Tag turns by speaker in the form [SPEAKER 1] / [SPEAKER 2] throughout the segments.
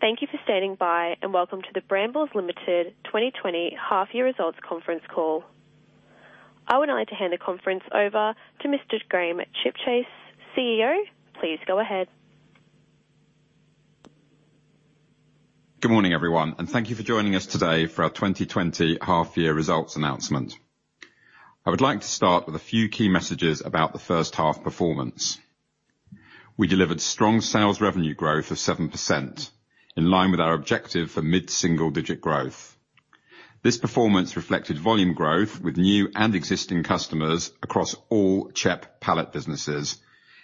[SPEAKER 1] Thank you for standing by. Welcome to the Brambles Limited 2020 half-year results conference call. I would like to hand the conference over to Mr. Graham Chipchase, CEO. Please go ahead.
[SPEAKER 2] Good morning, everyone, and thank you for joining us today for our 2020 half-year results announcement. I would like to start with a few key messages about the first half performance. We delivered strong sales revenue growth of 7%, in line with our objective for mid-single digit growth. This performance reflected volume growth with new and existing customers across all CHEP pallet businesses,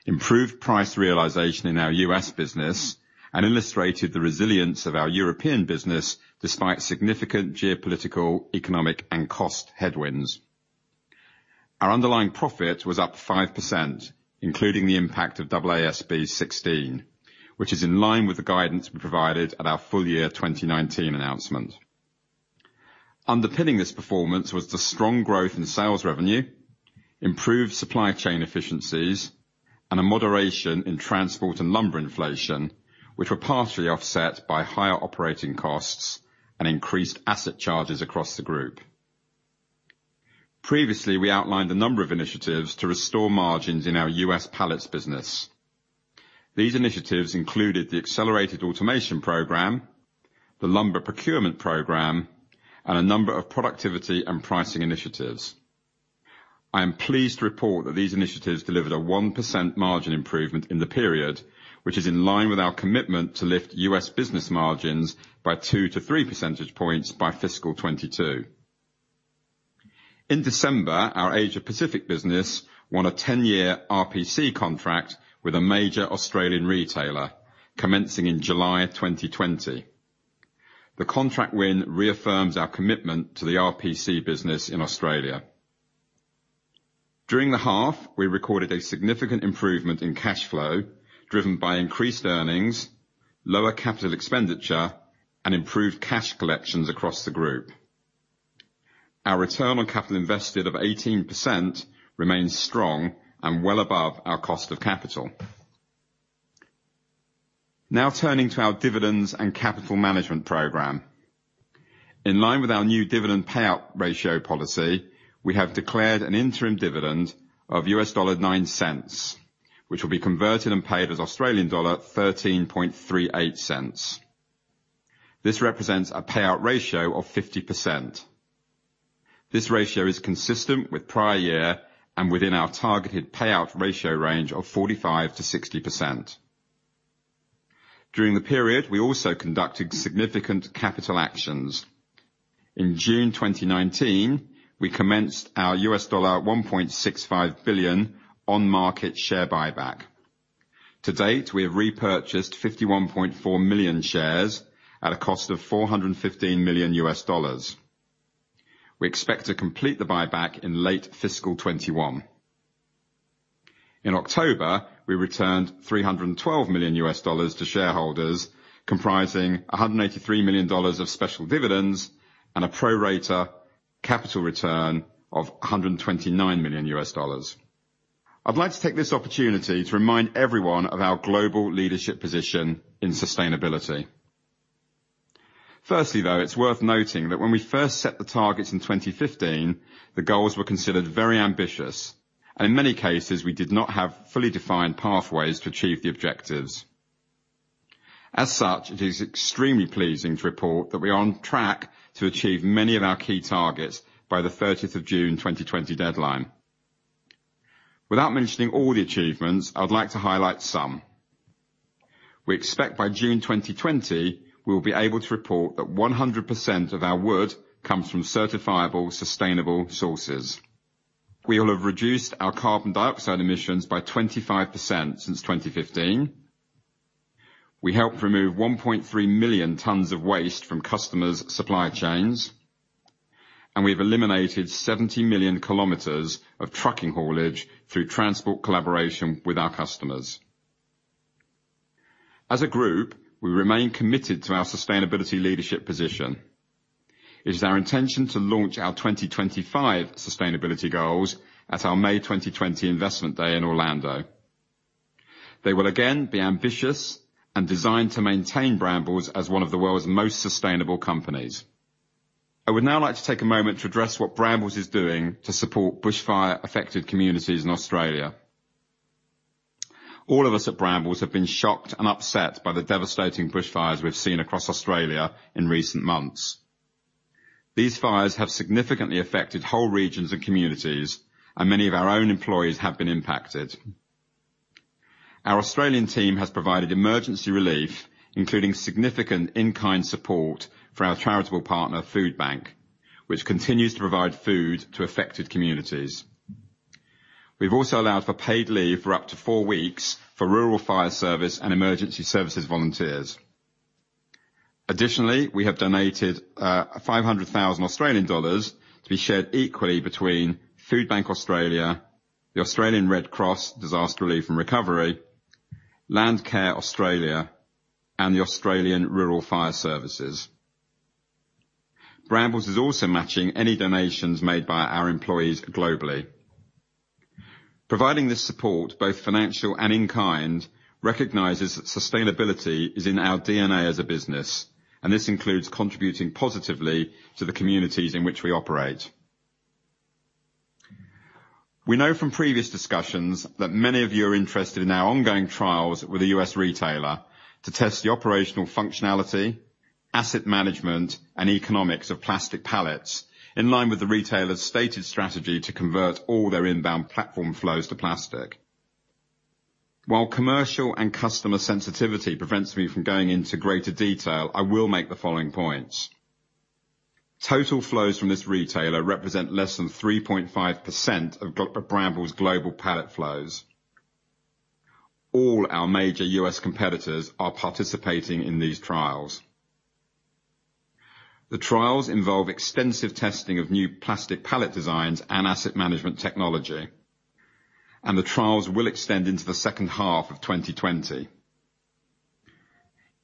[SPEAKER 2] improved price realization in our U.S. business, and illustrated the resilience of our European business, despite significant geopolitical, economic, and cost headwinds. Our underlying profit was up 5%, including the impact of AASB 16, which is in line with the guidance we provided at our full year 2019 announcement. Underpinning this performance was the strong growth in sales revenue, improved supply chain efficiencies, and a moderation in transport and lumber inflation, which were partially offset by higher operating costs and increased asset charges across the group. Previously, we outlined a number of initiatives to restore margins in our U.S. pallets business. These initiatives included the Accelerated Automation Program, the Lumber Procurement Program, and a number of productivity and pricing initiatives. I am pleased to report that these initiatives delivered a 1% margin improvement in the period, which is in line with our commitment to lift U.S. business margins by two to three percentage points by fiscal 2022. In December, our Asia-Pacific business won a 10-year RPC contract with a major Australian retailer commencing in July 2020. The contract win reaffirms our commitment to the RPC business in Australia. During the half, we recorded a significant improvement in cash flow driven by increased earnings, lower capital expenditure, and improved cash collections across the group. Our return on capital invested of 18% remains strong and well above our cost of capital. Now turning to our dividends and capital management program. In line with our new dividend payout ratio policy, we have declared an interim dividend of $0.09, which will be converted and paid as Australian dollar 13.38. This represents a payout ratio of 50%. This ratio is consistent with prior year and within our targeted payout ratio range of 45%-60%. During the period, we also conducted significant capital actions. In June 2019, we commenced our $1.65 billion on market share buyback. To date, we have repurchased $51.4 million shares at a cost of $415 million. We expect to complete the buyback in late fiscal 2021. In October, we returned $312 million to shareholders, comprising $183 million of special dividends and a pro rata capital return of $129 million. I'd like to take this opportunity to remind everyone of our global leadership position in sustainability. Firstly, though, it's worth noting that when we first set the targets in 2015, the goals were considered very ambitious, and in many cases, we did not have fully defined pathways to achieve the objectives. As such, it is extremely pleasing to report that we are on track to achieve many of our key targets by the 30th of June 2020 deadline. Without mentioning all the achievements, I would like to highlight some. We expect by June 2020, we will be able to report that 100% of our wood comes from certifiable, sustainable sources. We will have reduced our carbon dioxide emissions by 25% since 2015. We helped remove 1.3 million tons of waste from customers' supply chains, and we've eliminated 70 million kilometers of trucking haulage through transport collaboration with our customers. As a group, we remain committed to our sustainability leadership position. It is our intention to launch our 2025 sustainability goals at our May 2020 investment day in Orlando. They will again be ambitious and designed to maintain Brambles as one of the world's most sustainable companies. I would now like to take a moment to address what Brambles is doing to support bushfire-affected communities in Australia. All of us at Brambles have been shocked and upset by the devastating bushfires we've seen across Australia in recent months. These fires have significantly affected whole regions and communities, and many of our own employees have been impacted. Our Australian team has provided emergency relief, including significant in-kind support for our charitable partner, Foodbank, which continues to provide food to affected communities. We've also allowed for paid leave for up to four weeks for rural fire service and emergency services volunteers. Additionally, we have donated 500,000 Australian dollars to be shared equally between Foodbank Australia, the Australian Red Cross Disaster Relief and Recovery, Landcare Australia, and the Australian Rural Fire Service. Brambles is also matching any donations made by our employees globally. Providing this support, both financial and in-kind, recognizes that sustainability is in our DNA as a business, and this includes contributing positively to the communities in which we operate. We know from previous discussions that many of you are interested in our ongoing trials with a U.S. retailer to test the operational functionality, asset management, and economics of plastic pallets, in line with the retailer's stated strategy to convert all their inbound platform flows to plastic. While commercial and customer sensitivity prevents me from going into greater detail, I will make the following points. Total flows from this retailer represent less than 3.5% of Brambles' global pallet flows. All our major U.S. competitors are participating in these trials. The trials involve extensive testing of new plastic pallet designs and asset management technology, and the trials will extend into the second half of 2020.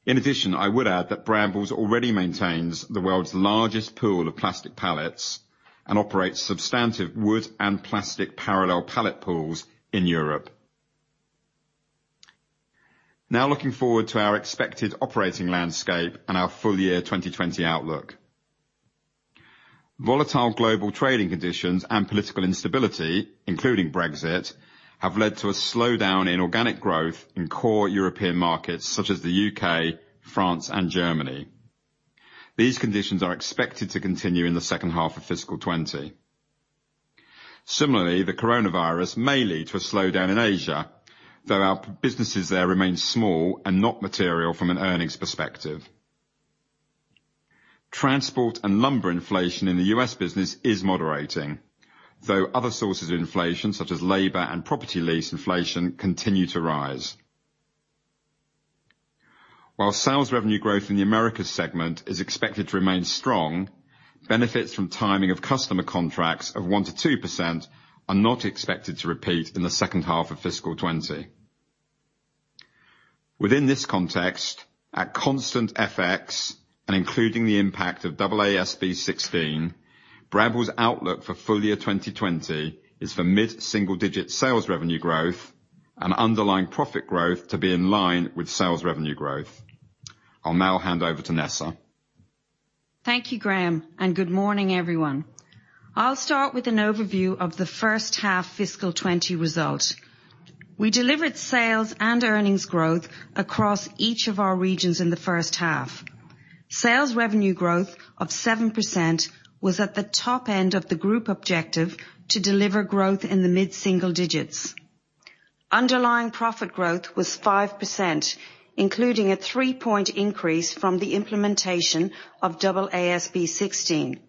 [SPEAKER 2] In addition, I would add that Brambles already maintains the world's largest pool of plastic pallets, and operates substantive wood and plastic parallel pallet pools in Europe. Now, looking forward to our expected operating landscape and our full year 2020 outlook. Volatile global trading conditions and political instability, including Brexit, have led to a slowdown in organic growth in core European markets such as the U.K., France, and Germany. These conditions are expected to continue in the second half of fiscal 2020. Similarly, the coronavirus may lead to a slowdown in Asia, though our businesses there remain small and not material from an earnings perspective. Transport and lumber inflation in the U.S. business is moderating, though other sources of inflation, such as labor and property lease inflation, continue to rise. While sales revenue growth in the Americas segment is expected to remain strong, benefits from timing of customer contracts of 1%-2% are not expected to repeat in the second half of fiscal 2020. Within this context, at constant FX and including the impact of AASB 16, Brambles' outlook for full year 2020 is for mid-single-digit sales revenue growth and underlying profit growth to be in line with sales revenue growth. I'll now hand over to Nessa.
[SPEAKER 3] Thank you, Graham. Good morning, everyone. I'll start with an overview of the first half fiscal 2020 result. We delivered sales and earnings growth across each of our regions in the first half. Sales revenue growth of 7% was at the top end of the group objective to deliver growth in the mid-single digits. Underlying profit growth was 5%, including a three-point increase from the implementation of AASB 16.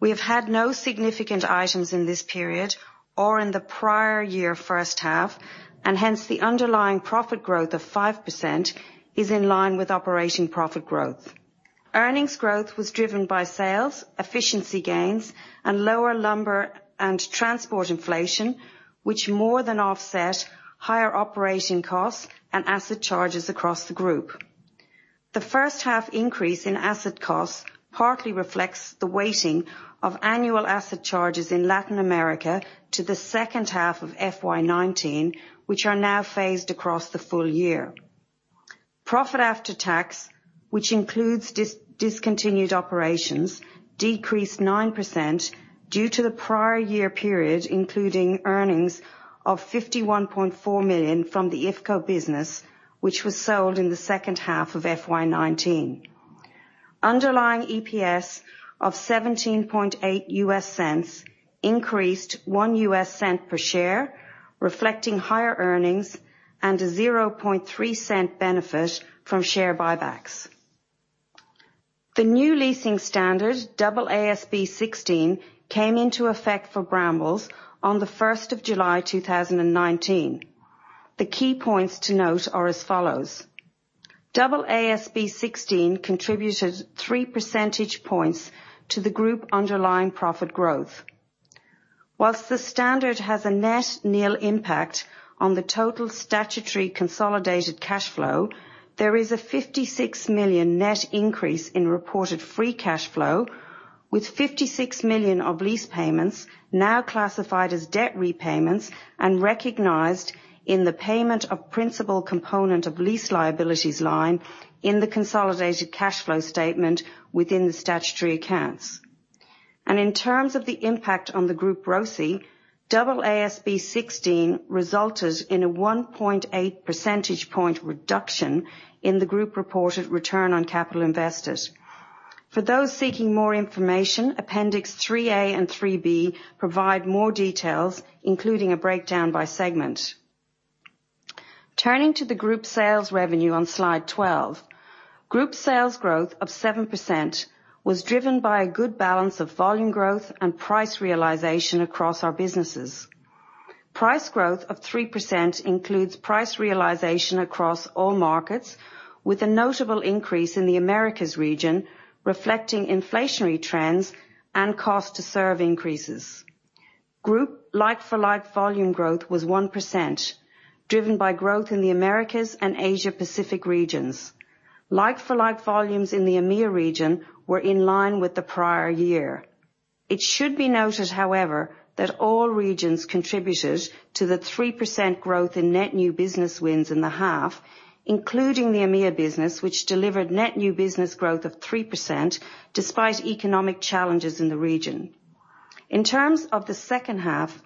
[SPEAKER 3] We have had no significant items in this period or in the prior year first half, hence the underlying profit growth of 5% is in line with operating profit growth. Earnings growth was driven by sales, efficiency gains, and lower lumber and transport inflation, which more than offset higher operating costs and asset charges across the group. The first half increase in asset costs partly reflects the weighting of annual asset charges in Latin America to the second half of FY 2019, which are now phased across the full year. Profit after tax, which includes discontinued operations, decreased 9% due to the prior year period, including earnings of $51.4 million from the IFCO business, which was sold in the second half of FY 2019. Underlying EPS of $17.8 increased $0.01 per share, reflecting higher earnings and a $0.3 benefit from share buybacks. The new leasing standard, AASB 16, came into effect for Brambles on the 1st of July 2019. The key points to note are as follows. AASB 16 contributed three percentage points to the group underlying profit growth. Whilst the standard has a net nil impact on the total statutory consolidated cash flow, there is an $56 million net increase in reported free cash flow, with $56 million of lease payments now classified as debt repayments and recognized in the payment of principal component of lease liabilities line in the consolidated cash flow statement within the statutory accounts. In terms of the impact on the group ROCI, AASB 16 resulted in a 1.8 percentage point reduction in the group reported return on capital invested. For those seeking more information, appendix 3A and 3B provide more details, including a breakdown by segment. Turning to the group sales revenue on slide 12. Group sales growth of 7% was driven by a good balance of volume growth and price realization across our businesses. Price growth of 3% includes price realization across all markets, with a notable increase in the Americas region, reflecting inflationary trends and cost to serve increases. Group like-for-like volume growth was 1%, driven by growth in the Americas and Asia Pacific regions. Like-for-like volumes in the EMEA region were in line with the prior year. It should be noted, however, that all regions contributed to the 3% growth in net new business wins in the half, including the EMEA business, which delivered net new business growth of 3%, despite economic challenges in the region. In terms of the second half,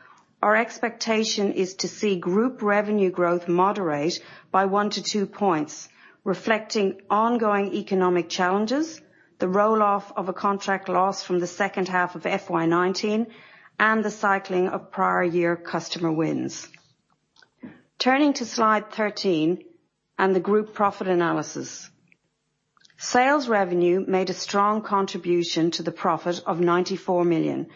[SPEAKER 3] our expectation is to see group revenue growth moderate by one to two points, reflecting ongoing economic challenges, the roll-off of a contract loss from the second half of FY 2019, and the cycling of prior year customer wins. Turning to slide 13 and the group profit analysis. Sales revenue made a strong contribution to the profit of $94 million,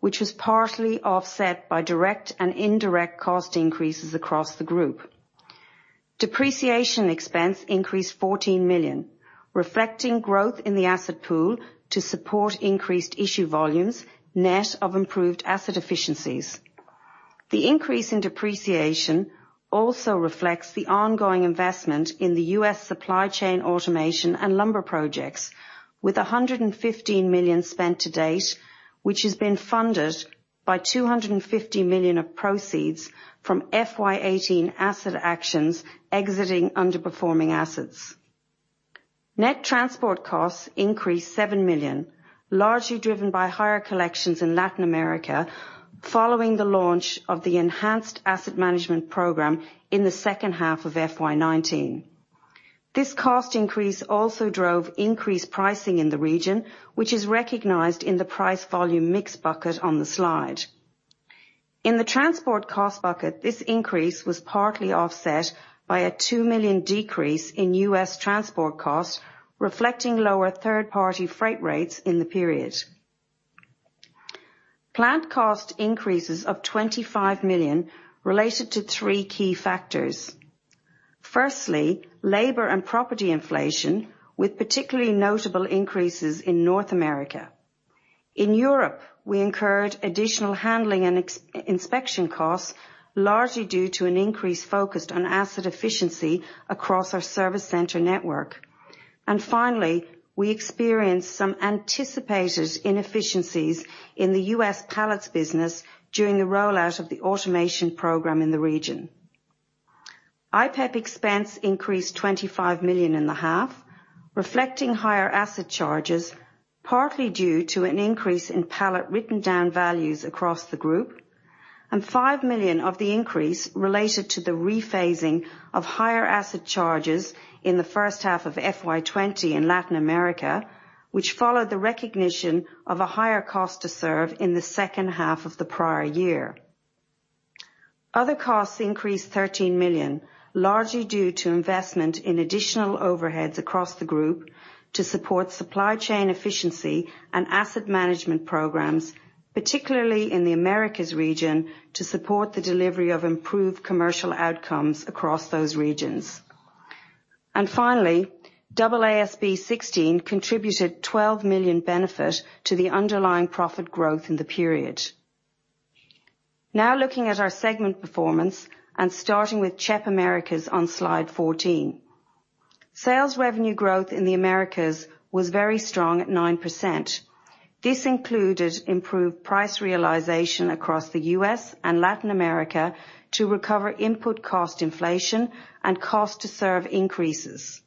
[SPEAKER 3] which was partly offset by direct and indirect cost increases across the group. Depreciation expense increased $14 million, reflecting growth in the asset pool to support increased issue volumes, net of improved asset efficiencies. The increase in depreciation also reflects the ongoing investment in the U.S. supply chain automation and lumber projects, with $115 million spent to date, which has been funded by $250 million of proceeds from FY 2018 asset actions exiting underperforming assets. Net transport costs increased $7 million, largely driven by higher collections in Latin America following the launch of the enhanced asset management program in the second half of FY 2019. This cost increase also drove increased pricing in the region, which is recognized in the price volume mix bucket on the slide. In the transport cost bucket, this increase was partly offset by a $2 million decrease in U.S. transport costs, reflecting lower third-party freight rates in the period. Plant cost increases of $25 million related to three key factors. Firstly, labor and property inflation, with particularly notable increases in North America. In Europe, we incurred additional handling and inspection costs, largely due to an increase focused on asset efficiency across our service center network. Finally, we experienced some anticipated inefficiencies in the U.S. pallets business during the rollout of the automation program in the region. IPEP expense increased $25 million in the half, reflecting higher asset charges, partly due to an increase in pallet written down values across the group. $5 million of the increase related to the rephasing of higher asset charges in the first half of FY 2020 in Latin America, which followed the recognition of a higher cost to serve in the second half of the prior year. Other costs increased $13 million, largely due to investment in additional overheads across the group to support supply chain efficiency and asset management programs, particularly in the Americas region, to support the delivery of improved commercial outcomes across those regions. Finally, AASB 16 contributed $12 million benefit to the underlying profit growth in the period. Now looking at our segment performance and starting with CHEP Americas on slide 14. Sales revenue growth in the Americas was very strong at 9%. This included improved price realization across the U.S. and Latin America to recover input cost inflation and cost to serve increases.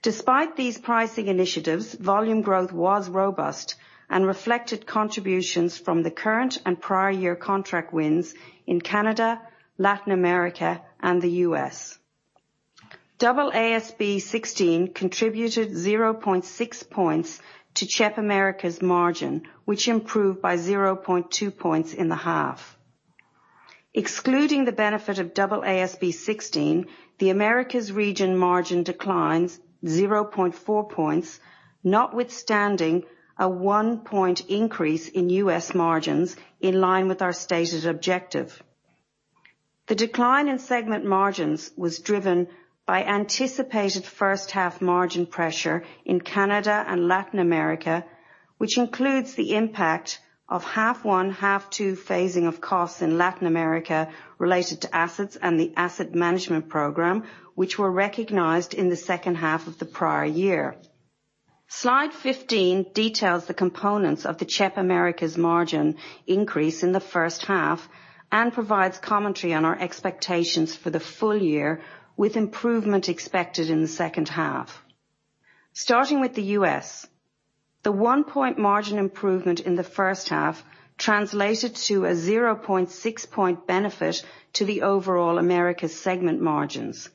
[SPEAKER 3] Despite these pricing initiatives, volume growth was robust and reflected contributions from the current and prior year contract wins in Canada, Latin America, and the U.S. AASB 16 contributed 0.6 points to CHEP Americas margin, which improved by 0.2 points in the half. Excluding the benefit of AASB 16, the Americas region margin declines 0.4 points, notwithstanding a one point increase in U.S. margins in line with our stated objective. The decline in segment margins was driven by anticipated first half margin pressure in Canada and Latin America, which includes the impact of half one, half two phasing of costs in Latin America related to assets and the asset management program, which were recognized in the second half of the prior year. Slide 15 details the components of the CHEP Americas margin increase in the first half and provides commentary on our expectations for the full year with improvement expected in the second half. Starting with the U.S., the one point margin improvement in the first half translated to a 0.6 point benefit to the overall Americas segment margins.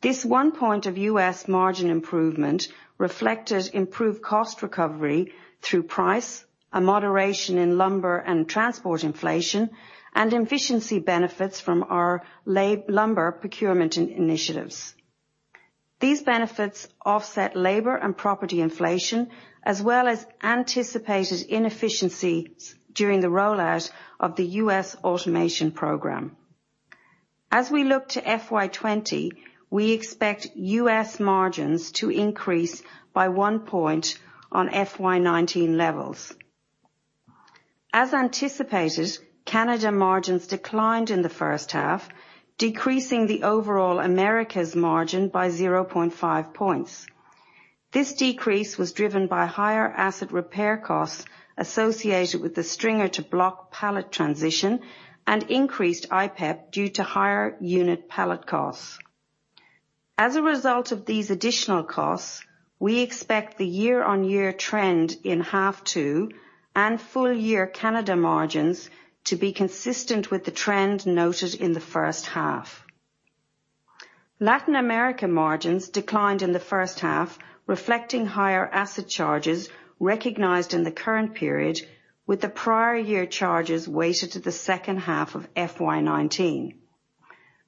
[SPEAKER 3] This one point of U.S. margin improvement reflected improved cost recovery through price, a moderation in lumber and transport inflation, and efficiency benefits from our lumber procurement initiatives. These benefits offset labor and property inflation, as well as anticipated inefficiencies during the rollout of the U.S. automation program. As we look to FY 2020, we expect U.S. margins to increase by one point on FY 2019 levels. As anticipated, Canada margins declined in the first half, decreasing the overall Americas margin by 0.5 points. This decrease was driven by higher asset repair costs associated with the stringer to block pallet transition and increased IPEP due to higher unit pallet costs. As a result of these additional costs, we expect the year-on-year trend in half two and full year Canada margins to be consistent with the trend noted in the first half. Latin America margins declined in the first half, reflecting higher asset charges recognized in the current period, with the prior year charges weighted to the second half of FY 2019.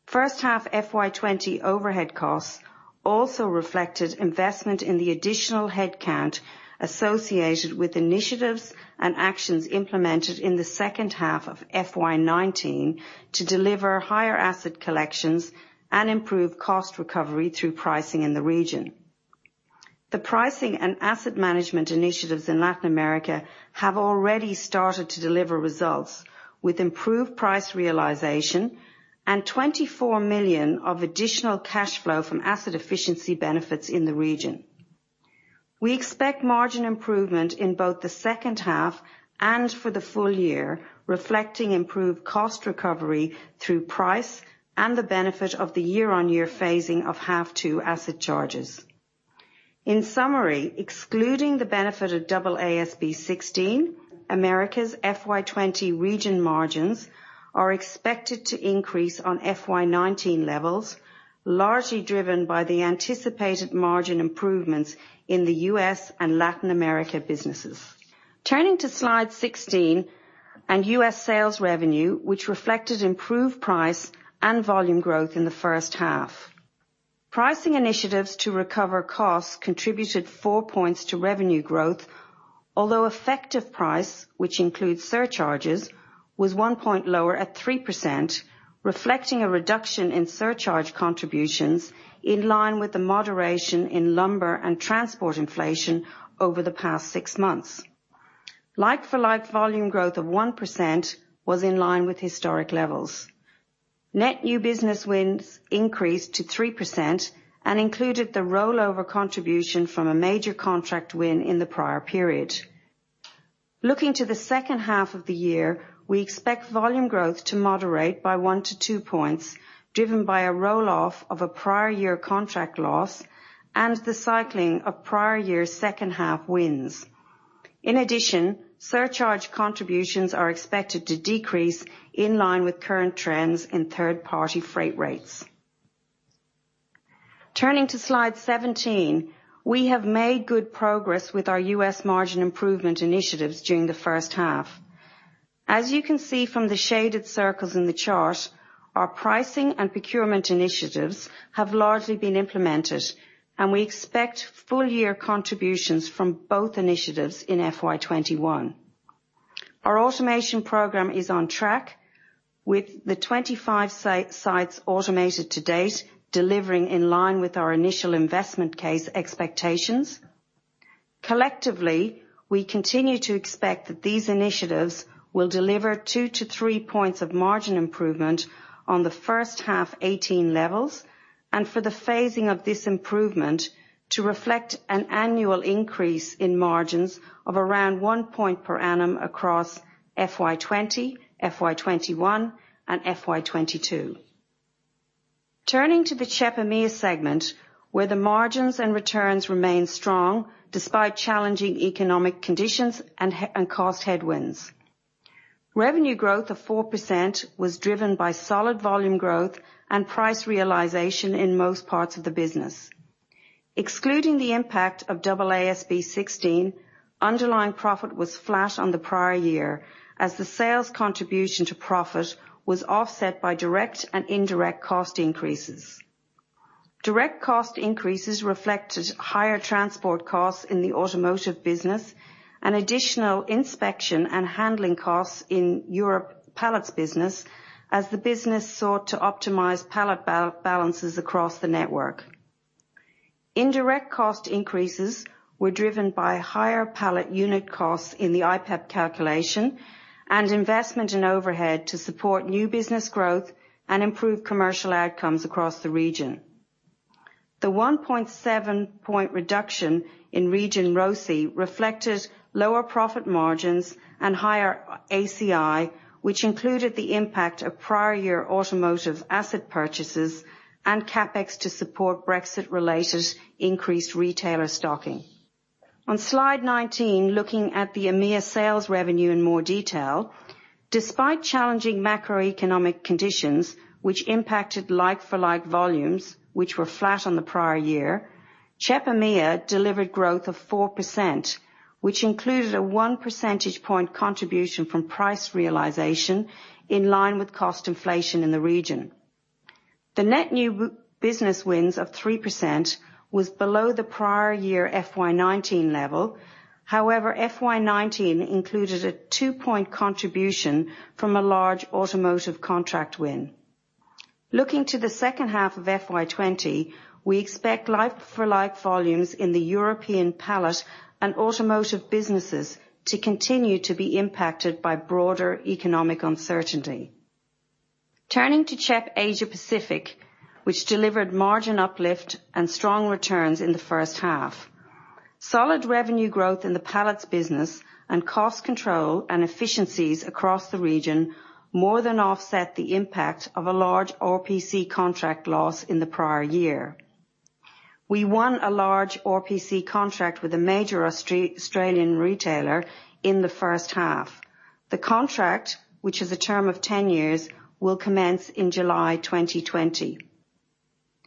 [SPEAKER 3] First half FY 2020 overhead costs also reflected investment in the additional headcount associated with initiatives and actions implemented in the second half of FY 2019 to deliver higher asset collections and improve cost recovery through pricing in the region. The pricing and asset management initiatives in Latin America have already started to deliver results with improved price realization and $24 million of additional cash flow from asset efficiency benefits in the region. We expect margin improvement in both the second half and for the full year, reflecting improved cost recovery through price and the benefit of the year-on-year phasing of half two asset charges. In summary, excluding the benefit of AASB 16, Americas FY 2020 region margins are expected to increase on FY 2019 levels, largely driven by the anticipated margin improvements in the U.S. and Latin America businesses. Turning to slide 16 and U.S. sales revenue, which reflected improved price and volume growth in the first half. Pricing initiatives to recover costs contributed four points to revenue growth, although effective price, which includes surcharges, was one point lower at 3%, reflecting a reduction in surcharge contributions in line with the moderation in lumber and transport inflation over the past six months. Like-for-like volume growth of 1% was in line with historic levels. Net new business wins increased to 3% and included the rollover contribution from a major contract win in the prior period. Looking to the second half of the year, we expect volume growth to moderate by one to two points, driven by a roll-off of a prior year contract loss and the cycling of prior year second half wins. In addition, surcharge contributions are expected to decrease in line with current trends in third-party freight rates. Turning to slide 17. We have made good progress with our U.S. margin improvement initiatives during the first half. As you can see from the shaded circles in the chart, our pricing and procurement initiatives have largely been implemented. We expect full year contributions from both initiatives in FY 2021. Our automation program is on track with the 25 sites automated to date, delivering in line with our initial investment case expectations. Collectively, we continue to expect that these initiatives will deliver two to three points of margin improvement on the first half 2018 levels. For the phasing of this improvement to reflect an annual increase in margins of around one point per annum across FY 2020, FY 2021 and FY 2022. Turning to the CHEP EMEA segment, where the margins and returns remain strong despite challenging economic conditions and cost headwinds. Revenue growth of 4% was driven by solid volume growth and price realization in most parts of the business. Excluding the impact of AASB 16, underlying profit was flat on the prior year as the sales contribution to profit was offset by direct and indirect cost increases. Direct cost increases reflected higher transport costs in the automotive business and additional inspection and handling costs in Europe pallets business as the business sought to optimize pallet balances across the network. Indirect cost increases were driven by higher pallet unit costs in the IPEP calculation and investment in overhead to support new business growth and improve commercial outcomes across the region. The 1.7 point reduction in region ROCE reflected lower profit margins and higher ACI, which included the impact of prior year automotive asset purchases and CapEx to support Brexit-related increased retailer stocking. On slide 19, looking at the EMEA sales revenue in more detail. Despite challenging macroeconomic conditions, which impacted like-for-like volumes which were flat on the prior year, CHEP EMEA delivered growth of 4%, which included a one percentage point contribution from price realization in line with cost inflation in the region. The net new business wins of 3% was below the prior year FY 2019 level. However, FY 2019 included a two-point contribution from a large automotive contract win. Looking to the second half of FY 2020, we expect like-for-like volumes in the European pallet and automotive businesses to continue to be impacted by broader economic uncertainty. Turning to CHEP Asia-Pacific, which delivered margin uplift and strong returns in the first half. Solid revenue growth in the pallets business and cost control and efficiencies across the region more than offset the impact of a large RPC contract loss in the prior year. We won a large RPC contract with a major Australian retailer in the first half. The contract, which is a term of 10 years, will commence in July 2020.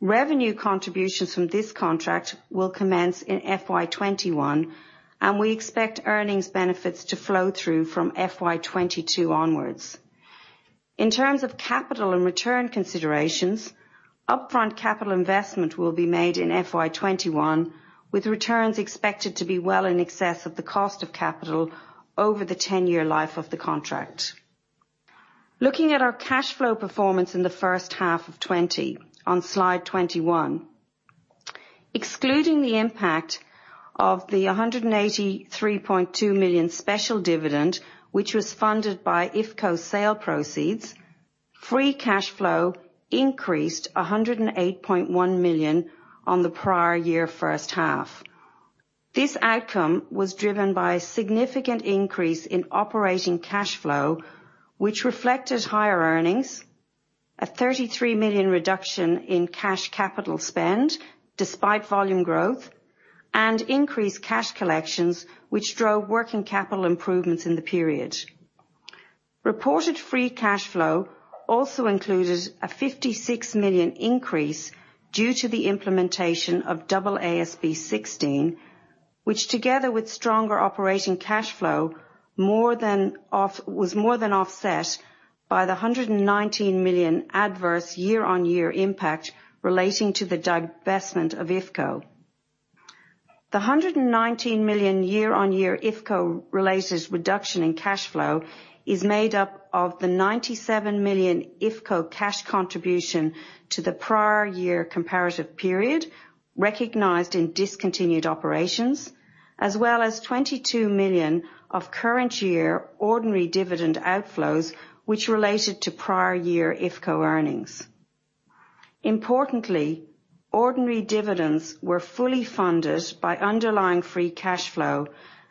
[SPEAKER 3] Revenue contributions from this contract will commence in FY 2021, and we expect earnings benefits to flow through from FY 2022 onwards. In terms of capital and return considerations, upfront capital investment will be made in FY 2021, with returns expected to be well in excess of the cost of capital over the 10-year life of the contract. Looking at our cash flow performance in the first half of 2020 on slide 21. Excluding the impact of the $183.2 million special dividend, which was funded by IFCO sale proceeds, free cash flow increased $108.1 million on the prior year first half. This outcome was driven by a significant increase in operating cash flow, which reflected higher earnings, an $33 million reduction in cash capital spend despite volume growth, and increased cash collections, which drove working capital improvements in the period. Reported free cash flow also included an $56 million increase due to the implementation of AASB 16, which together with stronger operating cash flow, was more than offset by the $119 million adverse year-on-year impact relating to the divestment of IFCO. The $119 million year-on-year IFCO-related reduction in cash flow is made up of the $97 million IFCO cash contribution to the prior year comparative period, recognized in discontinued operations, as well as $22 million of current year ordinary dividend outflows, which related to prior year IFCO earnings. Importantly, ordinary dividends were fully funded by underlying free cash flow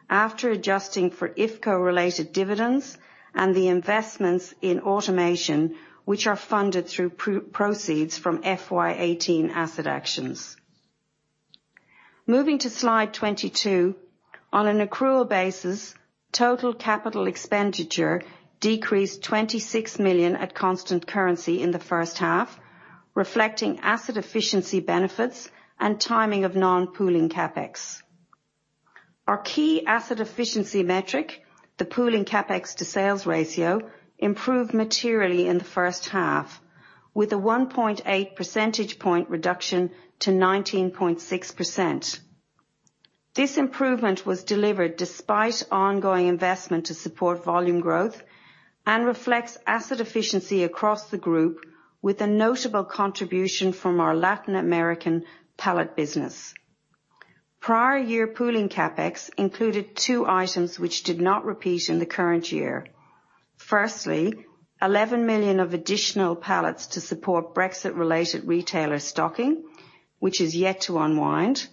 [SPEAKER 3] after adjusting for IFCO-related dividends and the investments in automation, which are funded through proceeds from FY 2018 asset actions. Moving to slide 22. On an accrual basis, total capital expenditure decreased $26 million at constant currency in the first half, reflecting asset efficiency benefits and timing of non-pooling CapEx. Our key asset efficiency metric, the pooling CapEx to sales ratio, improved materially in the first half with a 1.8 percentage point reduction to 19.6%. This improvement was delivered despite ongoing investment to support volume growth and reflects asset efficiency across the group with a notable contribution from our Latin American pallet business. Prior year pooling CapEx included two items which did not repeat in the current year. Firstly, $11 million of additional pallets to support Brexit-related retailer stocking, which is yet to unwind.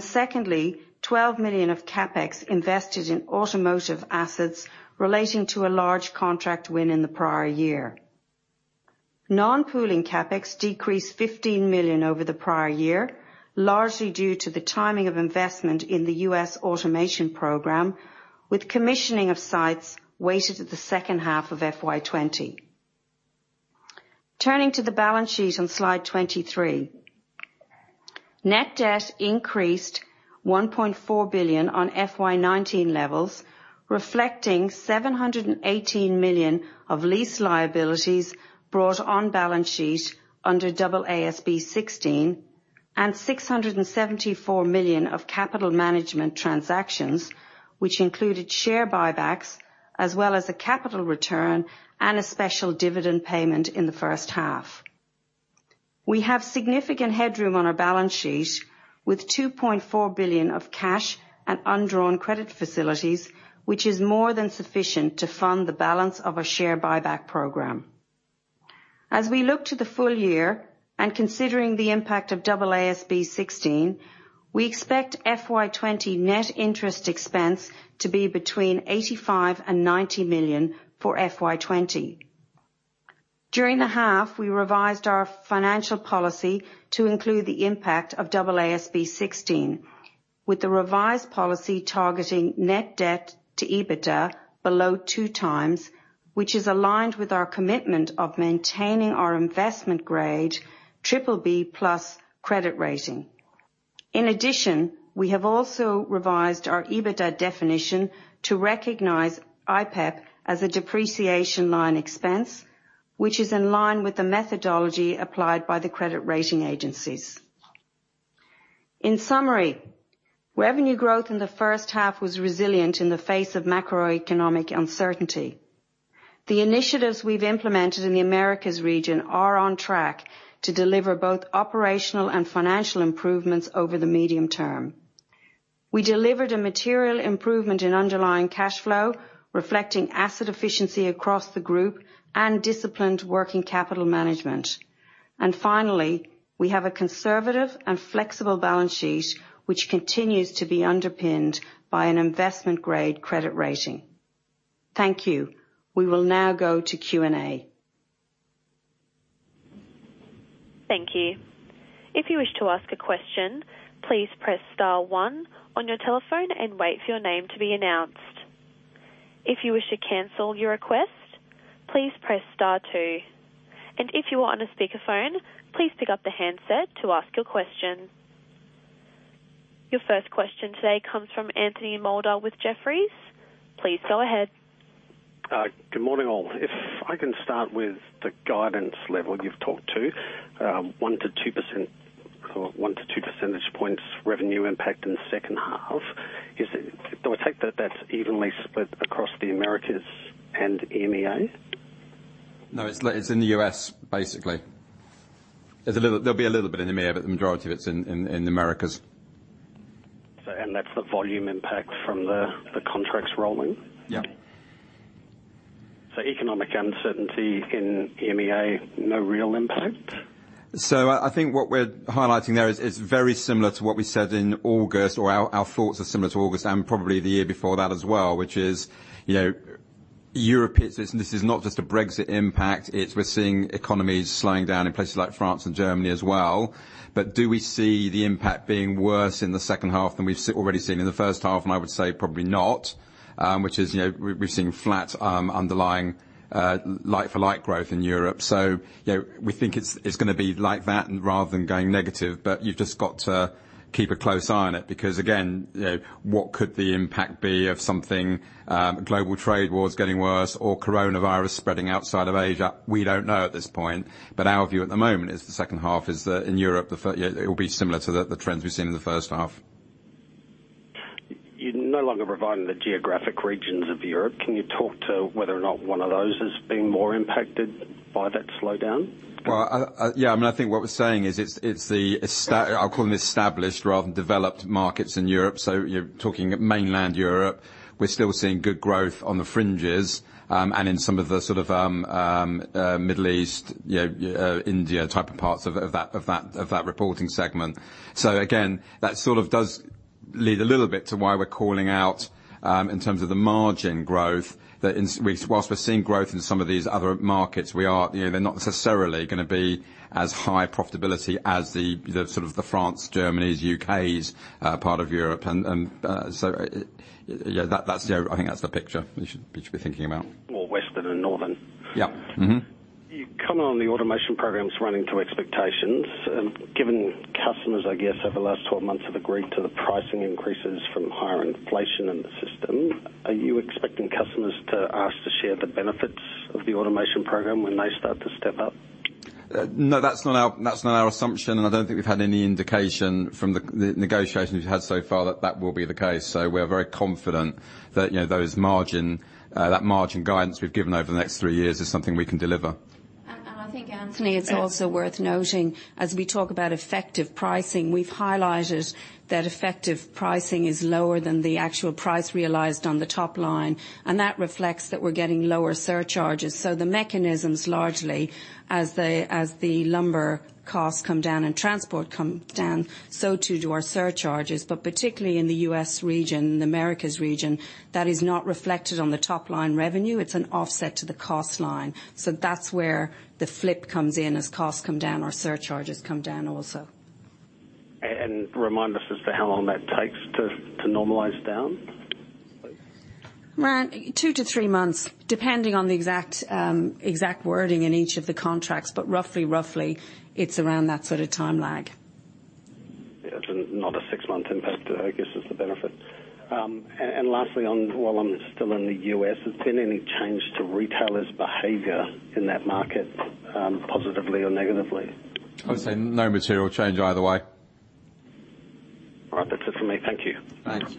[SPEAKER 3] Secondly, $12 million of CapEx invested in automotive assets relating to a large contract win in the prior year. Non-pooling CapEx decreased $15 million over the prior year, largely due to the timing of investment in the U.S. automation program, with commissioning of sites weighted to the second half of FY 2020. Turning to the balance sheet on slide 23. Net debt increased $1.4 billion on FY 2019 levels, reflecting $718 million of lease liabilities brought on balance sheet under AASB 16 and $674 million of capital management transactions, which included share buybacks as well as a capital return and a special dividend payment in the first half. We have significant headroom on our balance sheet with $2.4 billion of cash and undrawn credit facilities, which is more than sufficient to fund the balance of our share buyback program. As we look to the full year and considering the impact of AASB 16, we expect FY 2020 net interest expense to be between $85 million and $90 million for FY 2020. During the half, we revised our financial policy to include the impact of AASB 16, with the revised policy targeting net debt to EBITDA below two times, which is aligned with our commitment of maintaining our investment-grade BBB+ credit rating. In addition, we have also revised our EBITDA definition to recognize IPEP as a depreciation line expense, which is in line with the methodology applied by the credit rating agencies. In summary, revenue growth in the first half was resilient in the face of macroeconomic uncertainty. The initiatives we've implemented in the Americas region are on track to deliver both operational and financial improvements over the medium term. We delivered a material improvement in underlying cash flow, reflecting asset efficiency across the group and disciplined working capital management. Finally, we have a conservative and flexible balance sheet, which continues to be underpinned by an investment-grade credit rating. Thank you. We will now go to Q&A.
[SPEAKER 1] Thank you. If you wish to ask a question, please press star one on your telephone and wait for your name to be announced. If you wish to cancel your request, please press star two. If you are on a speakerphone, please pick up the handset to ask your question. Your first question today comes from Anthony Moulder with Jefferies. Please go ahead.
[SPEAKER 4] Good morning, all. If I can start with the guidance level you've talked to, one to two percentage points revenue impact in the second half. Do I take that that's evenly split across the Americas and EMEA?
[SPEAKER 2] No, it's in the U.S. basically. There'll be a little bit in EMEA, but the majority of it's in Americas.
[SPEAKER 4] That's the volume impact from the contracts rolling?
[SPEAKER 2] Yeah.
[SPEAKER 4] Economic uncertainty in EMEA, no real impact?
[SPEAKER 2] I think what we're highlighting there is very similar to what we said in August, or our thoughts are similar to August and probably the year before that as well, which is European business, this is not just a Brexit impact. Do we see the impact being worse in the second half than we've already seen in the first half? I would say probably not, which is we're seeing flat underlying like-for-like growth in Europe. We think it's going to be like that rather than going negative. You've just got to keep a close eye on it, because again, what could the impact be of something, global trade wars getting worse or coronavirus spreading outside of Asia? We don't know at this point, but our view at the moment is the second half is that in Europe, it will be similar to the trends we've seen in the first half.
[SPEAKER 4] You're no longer providing the geographic regions of Europe. Can you talk to whether or not one of those has been more impacted by that slowdown?
[SPEAKER 2] Well, yeah. I think what we're saying is it's the, I'll call them established rather than developed markets in Europe. You're talking mainland Europe. We're still seeing good growth on the fringes and in some of the Middle East, India type of parts of that reporting segment. Again, that sort of does lead a little bit to why we're calling out in terms of the margin growth, that whilst we're seeing growth in some of these other markets, they're not necessarily going to be as high profitability as the France, Germanies, U.K.s part of Europe. I think that's the picture you should be thinking about.
[SPEAKER 4] More Western and Northern.
[SPEAKER 2] Yeah. Mm-hmm.
[SPEAKER 4] You comment on the automation programs running to expectations. Given customers, I guess, over the last 12 months have agreed to the pricing increases from higher inflation in the system, are you expecting customers to ask to share the benefits of the automation program when they start to step up?
[SPEAKER 2] No, that's not our assumption. I don't think we've had any indication from the negotiations we've had so far that will be the case. We are very confident that that margin guidance we've given over the next three years is something we can deliver.
[SPEAKER 3] I think, Anthony, it's also worth noting, as we talk about effective pricing, we've highlighted that effective pricing is lower than the actual price realized on the top line, and that reflects that we're getting lower surcharges. The mechanisms largely as the lumber costs come down and transport come down, so too do our surcharges, but particularly in the U.S. region, the Americas region, that is not reflected on the top line revenue. It's an offset to the cost line. That's where the flip comes in. As costs come down, our surcharges come down also.
[SPEAKER 4] Remind us as to how long that takes to normalize down.
[SPEAKER 3] Around two to three months, depending on the exact wording in each of the contracts. Roughly, it's around that sort of time lag.
[SPEAKER 4] Yeah. It's not a six-month impact, I guess is the benefit. Lastly, while I'm still in the U.S., has been any change to retailers' behavior in that market positively or negatively?
[SPEAKER 2] I would say no material change either way.
[SPEAKER 4] All right. That's it for me. Thank you.
[SPEAKER 2] Thanks.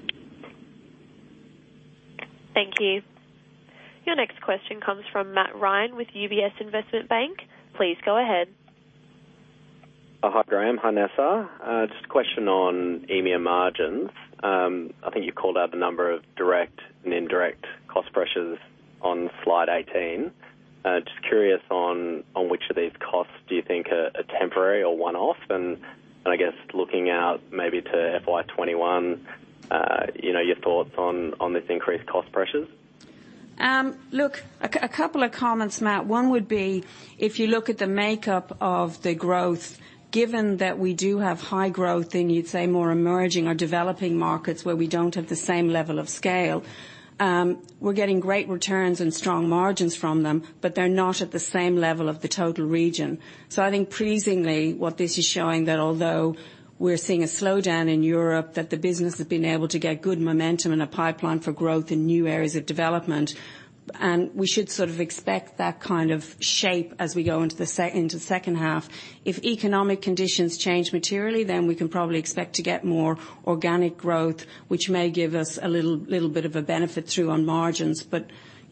[SPEAKER 1] Thank you. Your next question comes from Matt Ryan with UBS Investment Bank. Please go ahead.
[SPEAKER 5] Hi, Graham. Hi, Nessa. A question on EMEA margins. I think you called out the number of direct and indirect cost pressures on slide 18. Curious on which of these costs do you think are temporary or one-off? I guess looking out maybe to FY 2021, your thoughts on this increased cost pressures?
[SPEAKER 3] Look, a couple of comments, Matt. One would be, if you look at the makeup of the growth, given that we do have high growth in, you'd say, more emerging or developing markets where we don't have the same level of scale. We're getting great returns and strong margins from them, but they're not at the same level of the total region. I think pleasingly, what this is showing, that although we're seeing a slowdown in Europe, that the business has been able to get good momentum and a pipeline for growth in new areas of development. We should sort of expect that kind of shape as we go into the second half. If economic conditions change materially, we can probably expect to get more organic growth, which may give us a little bit of a benefit through on margins.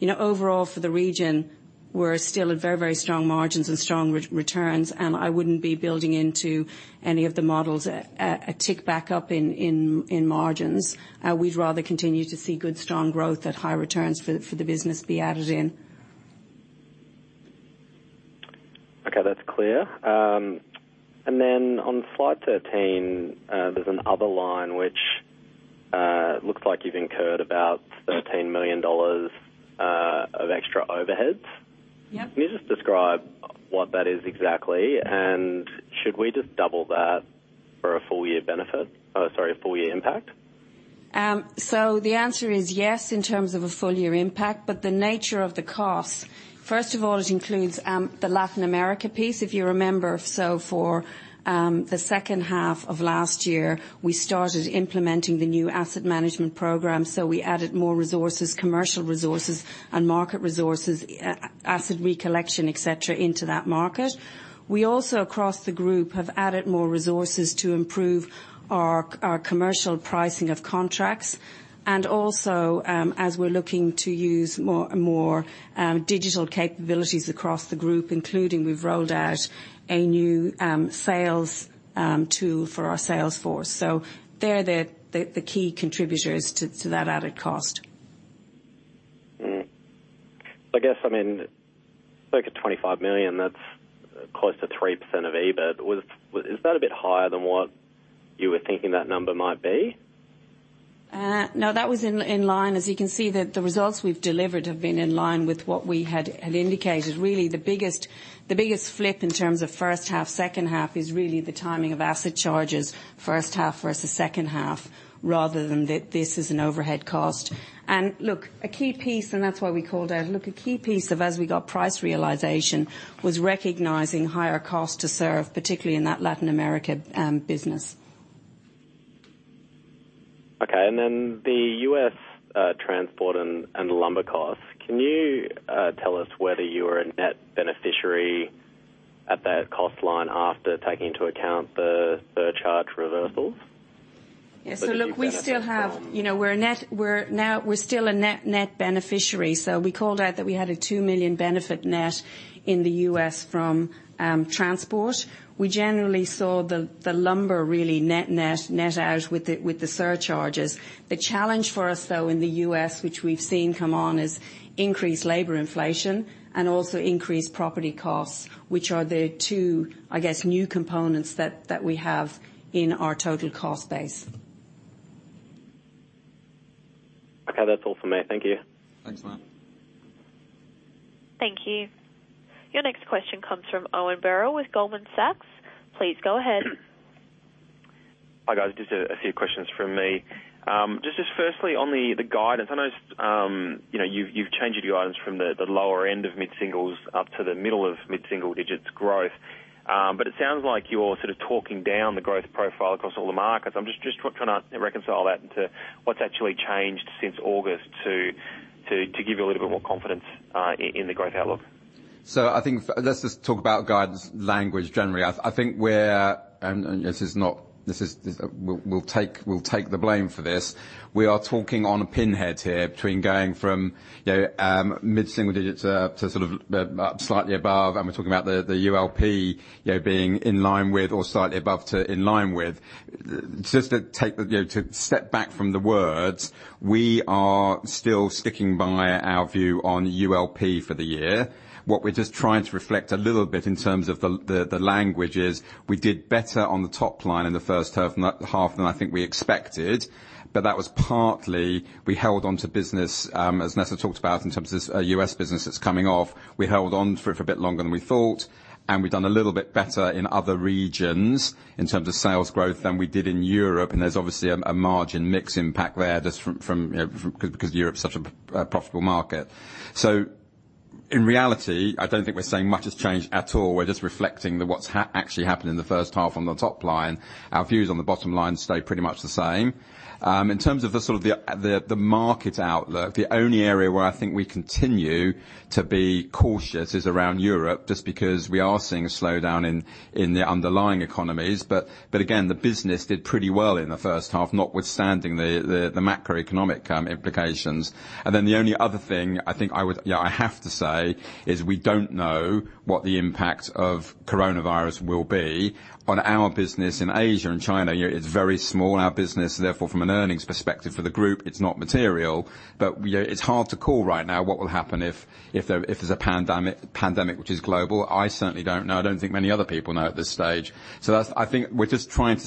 [SPEAKER 3] Overall for the region, we're still at very strong margins and strong returns, and I wouldn't be building into any of the models a tick back up in margins. We'd rather continue to see good strong growth at high returns for the business be added in.
[SPEAKER 5] Okay, that's clear. On slide 13, there's another line which looks like you've incurred about $13 million of extra overheads.
[SPEAKER 3] Yep.
[SPEAKER 5] Can you just describe what that is exactly, and should we just double that for a full year benefit? Oh, sorry, a full year impact?
[SPEAKER 3] The answer is yes in terms of a full year impact, but the nature of the costs, first of all, it includes the Latin America piece, if you remember. For the second half of last year, we started implementing the new asset management program. We added more resources, commercial resources and market resources, asset recollection, et cetera, into that market. We also, across the group, have added more resources to improve our commercial pricing of contracts, and also, as we're looking to use more digital capabilities across the group, including we've rolled out a new sales tool for our sales force. They're the key contributors to that added cost.
[SPEAKER 5] I guess, look at $25 million, that's close to 3% of EBIT. Is that a bit higher than what you were thinking that number might be?
[SPEAKER 3] No, that was in line. As you can see, the results we've delivered have been in line with what we had indicated. Really, the biggest flip in terms of first half, second half is really the timing of asset charges, first half versus second half, rather than this is an overhead cost. Look, a key piece, and that's why we called out. Look, a key piece of as we got price realization was recognizing higher cost to serve, particularly in that Latin America business.
[SPEAKER 5] Okay. The U.S. transport and lumber costs. Can you tell us whether you are a net beneficiary at that cost line after taking into account the surcharge reversals?
[SPEAKER 3] Yeah.
[SPEAKER 5] Did you benefit?
[SPEAKER 3] We're still a net beneficiary. We called out that we had a $2 million benefit net in the U.S. from transport. We generally saw the lumber really net out with the surcharges. The challenge for us though in the U.S., which we've seen come on, is increased labor inflation and also increased property costs, which are the two new components that we have in our total cost base.
[SPEAKER 5] Okay. That's all from me. Thank you.
[SPEAKER 2] Thanks, Matt.
[SPEAKER 1] Thank you. Your next question comes from Owen Birrell with Goldman Sachs. Please go ahead.
[SPEAKER 6] Hi, guys. Just a few questions from me. Just firstly on the guidance. I notice you've changed your guidance from the lower end of mid-singles up to the middle of mid-single digits growth. It sounds like you're sort of talking down the growth profile across all the markets. I'm just trying to reconcile that into what's actually changed since August to give you a little bit more confidence in the growth outlook.
[SPEAKER 2] I think let's just talk about guidance language generally. I think we're, and this is not We'll take the blame for this. We are talking on a pinhead here between going from mid-single digits to sort of slightly above, and we're talking about the ULP being in line with or slightly above to in line with. Just to step back from the words, we are still sticking by our view on ULP for the year. What we're just trying to reflect a little bit in terms of the language is we did better on the top line in the first half than I think we expected. That was partly we held onto business, as Nessa talked about, in terms of U.S. business that's coming off. We held on for a bit longer than we thought, and we've done a little bit better in other regions in terms of sales growth than we did in Europe, and there's obviously a margin mix impact there just because Europe's such a profitable market. In reality, I don't think we're saying much has changed at all. We're just reflecting what's actually happened in the first half on the top line. Our views on the bottom line stay pretty much the same. In terms of the sort of the market outlook, the only area where I think we continue to be cautious is around Europe, just because we are seeing a slowdown in the underlying economies. Again, the business did pretty well in the first half, notwithstanding the macroeconomic implications. The only other thing I think I have to say is we don't know what the impact of coronavirus will be on our business in Asia and China. It's very small, our business. Therefore, from an earnings perspective for the group, it's not material. It's hard to call right now what will happen if there's a pandemic which is global. I certainly don't know. I don't think many other people know at this stage. I think we're just trying to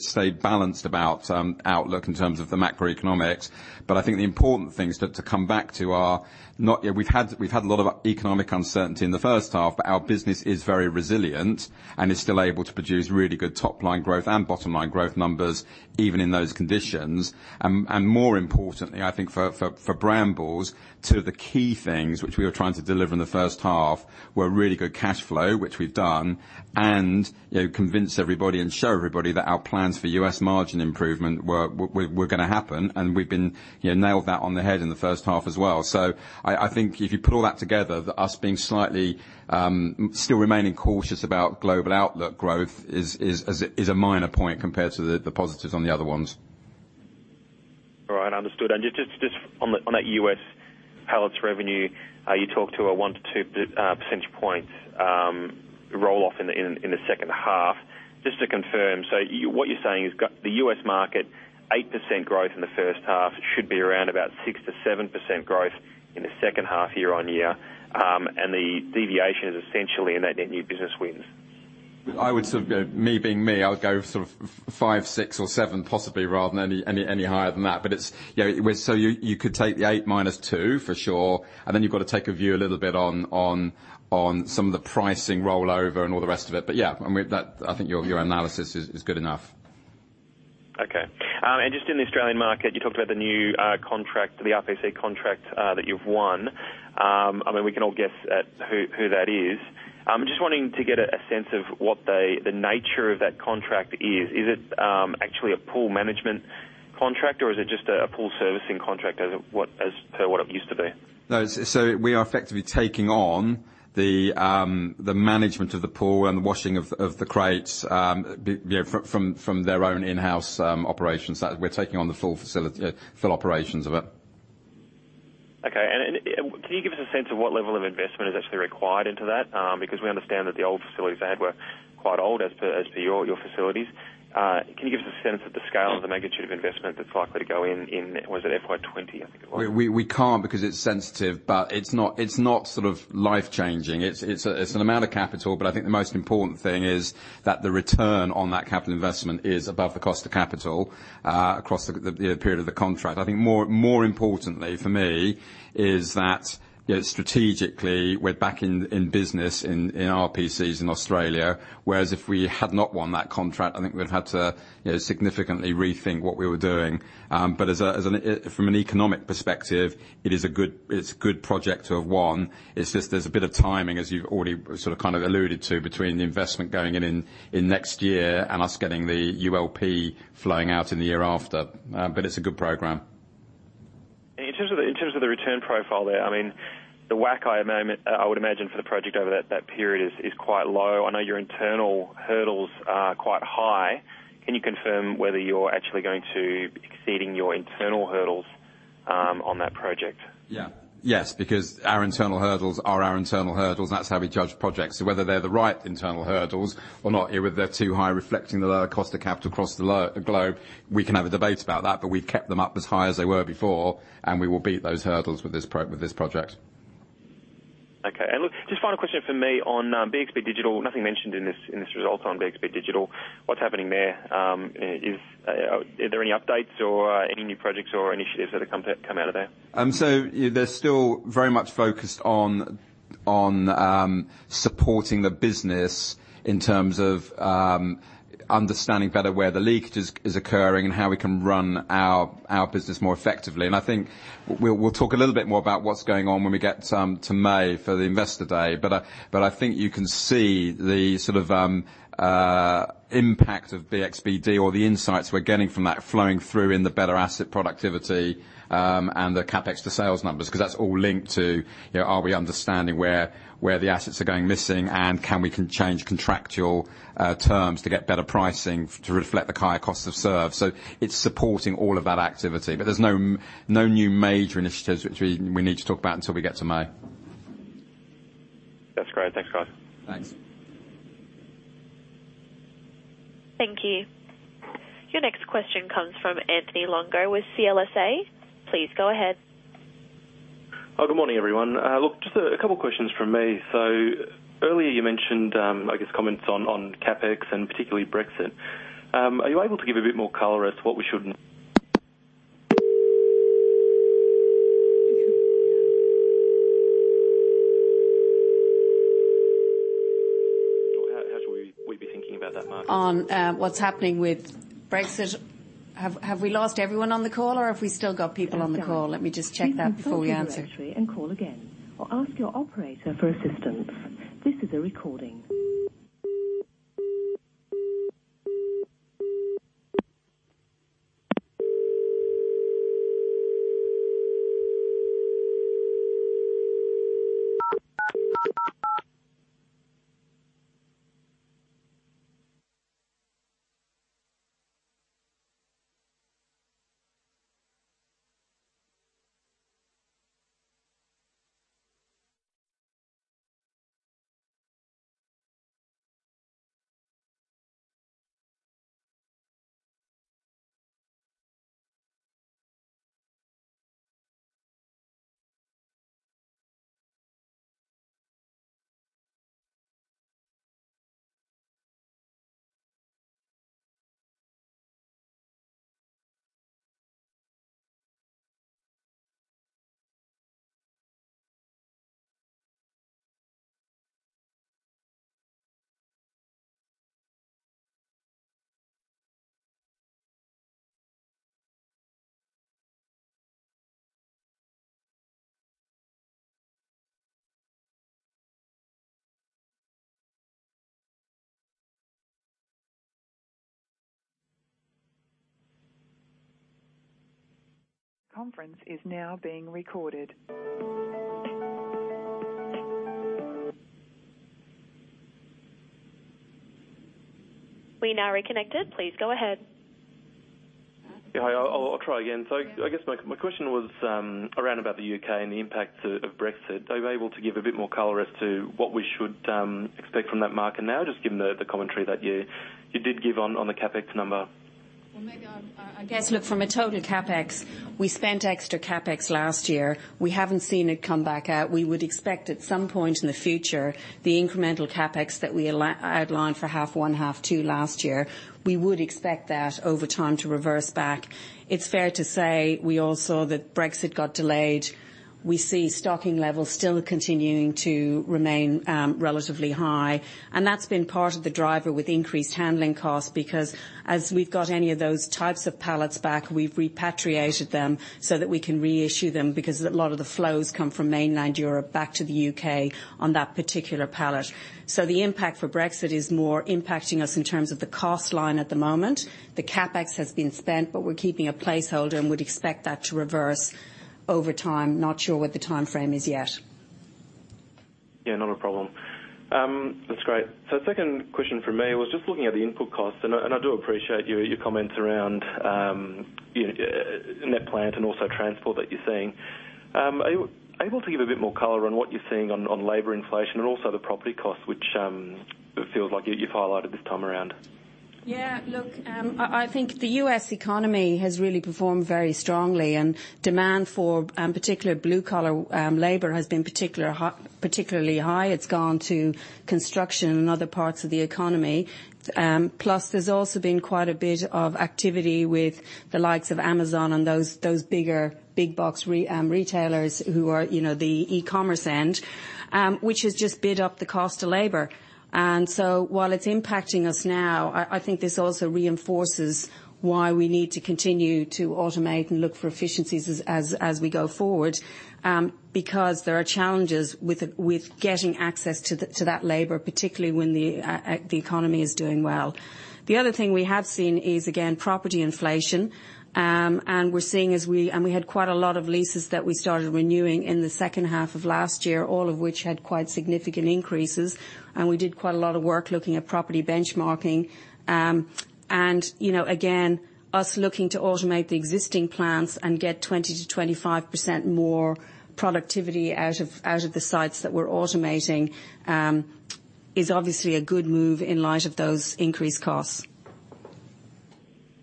[SPEAKER 2] stay balanced about outlook in terms of the macroeconomics. I think the important things to come back to are we've had a lot of economic uncertainty in the first half, but our business is very resilient. Is still able to produce really good top-line growth and bottom-line growth numbers even in those conditions. More importantly, I think for Brambles, two of the key things which we were trying to deliver in the first half were really good cash flow, which we've done, and convince everybody and show everybody that our plans for U.S. margin improvement were going to happen. We've nailed that on the head in the first half as well. I think if you put all that together, us being slightly still remaining cautious about global outlook growth is a minor point compared to the positives on the other ones.
[SPEAKER 6] All right. Understood. Just on that U.S. pallets revenue, you talked to a one to two percentage points roll-off in the second half. Just to confirm, what you're saying is the U.S. market, 8% growth in the first half, should be around about 6%-7% growth in the second half year-on-year. The deviation is essentially in that new business wins.
[SPEAKER 2] Me being me, I would go five, six, or seven possibly rather than any higher than that. You could take the eight minus two for sure, and then you've got to take a view a little bit on some of the pricing rollover and all the rest of it. Yeah, I think your analysis is good enough.
[SPEAKER 6] Okay. Just in the Australian market, you talked about the new contract, the RPC contract, that you've won. We can all guess at who that is. I'm just wanting to get a sense of what the nature of that contract is. Is it actually a pool management contract or is it just a pool servicing contract as per what it used to be?
[SPEAKER 2] We are effectively taking on the management of the pool and the washing of the crates from their own in-house operations. We're taking on the full operations of it.
[SPEAKER 6] Okay. Can you give us a sense of what level of investment is actually required into that? Because we understand that the old facilities they had were quite old as per your facilities. Can you give us a sense of the scale of the magnitude of investment that's likely to go in, was it FY 2020, I think it was?
[SPEAKER 2] We can't because it's sensitive, but it's not life-changing. It's an amount of capital, I think the most important thing is that the return on that capital investment is above the cost of capital across the period of the contract. I think more importantly for me is that strategically we're back in business in RPCs in Australia, whereas if we had not won that contract, I think we'd have had to significantly rethink what we were doing. From an economic perspective, it's a good project to have won. It's just there's a bit of timing, as you've already alluded to, between the investment going in next year and us getting the ULP flowing out in the year after. It's a good program.
[SPEAKER 6] In terms of the return profile there, the WACC I would imagine for the project over that period is quite low. I know your internal hurdles are quite high. Can you confirm whether you're actually going to be exceeding your internal hurdles on that project?
[SPEAKER 2] Yes, because our internal hurdles are our internal hurdles. That's how we judge projects. Whether they're the right internal hurdles or not, if they're too high reflecting the lower cost of capital across the globe, we can have a debate about that, but we've kept them up as high as they were before, and we will beat those hurdles with this project.
[SPEAKER 6] Okay. Look, just final question from me on BXB Digital. Nothing mentioned in this result on BXB Digital. What's happening there? Are there any updates or any new projects or initiatives that have come out of there?
[SPEAKER 2] They're still very much focused on supporting the business in terms of understanding better where the leakage is occurring and how we can run our business more effectively. I think we'll talk a little bit more about what's going on when we get to May for the investor day. I think you can see the impact of BXB Digital or the insights we're getting from that flowing through in the better asset productivity and the CapEx to sales numbers because that's all linked to are we understanding where the assets are going missing and can we change contractual terms to get better pricing to reflect the higher cost of serve. It's supporting all of that activity. There's no new major initiatives which we need to talk about until we get to May.
[SPEAKER 6] That's great. Thanks, Graham.
[SPEAKER 2] Thanks.
[SPEAKER 1] Thank you. Your next question comes from Anthony Longo with CLSA. Please go ahead.
[SPEAKER 7] Good morning, everyone. Look, just a couple questions from me. Earlier you mentioned, I guess, comments on CapEx and particularly Brexit. Are you able to give a bit more color as to how should we be thinking about that market?
[SPEAKER 3] On what's happening with Brexit. Have we lost everyone on the call or have we still got people on the call? Let me just check that before we answer.
[SPEAKER 1] Please consult your directory and call again or ask your operator for assistance. This is a recording. Conference is now being recorded. We are now reconnected. Please go ahead.
[SPEAKER 7] Yeah. Hi, I'll try again. I guess my question was around about the U.K. and the impact of Brexit. Are you able to give a bit more color as to what we should expect from that market now, just given the commentary that you did give on the CapEx number?
[SPEAKER 3] Well, maybe, I guess, look, from a total CapEx, we spent extra CapEx last year. We haven't seen it come back out. We would expect at some point in the future, the incremental CapEx that we outlined for half one, half two last year, we would expect that over time to reverse back. It's fair to say we all saw that Brexit got delayed. That's been part of the driver with increased handling costs because as we've got any of those types of pallets back, we've repatriated them so that we can reissue them because a lot of the flows come from mainland Europe back to the U.K. on that particular pallet. The impact for Brexit is more impacting us in terms of the cost line at the moment. The CapEx has been spent, but we're keeping a placeholder and would expect that to reverse over time. Not sure what the timeframe is yet.
[SPEAKER 7] Yeah, not a problem. That's great. The second question from me was just looking at the input costs, and I do appreciate your comments around net plant and also transport that you're seeing. Are you able to give a bit more color on what you're seeing on labor inflation and also the property costs, which it feels like you've highlighted this time around?
[SPEAKER 3] Look, I think the U.S. economy has really performed very strongly and demand for particular blue-collar labor has been particularly high. It's gone to construction and other parts of the economy. There's also been quite a bit of activity with the likes of Amazon and those bigger big-box retailers who are the e-commerce end, which has just bid up the cost of labor. While it's impacting us now, I think this also reinforces why we need to continue to automate and look for efficiencies as we go forward, because there are challenges with getting access to that labor, particularly when the economy is doing well. The other thing we have seen is, again, property inflation. We had quite a lot of leases that we started renewing in the second half of last year, all of which had quite significant increases. We did quite a lot of work looking at property benchmarking. Again, us looking to automate the existing plants and get 20%-25% more productivity out of the sites that we're automating, is obviously a good move in light of those increased costs.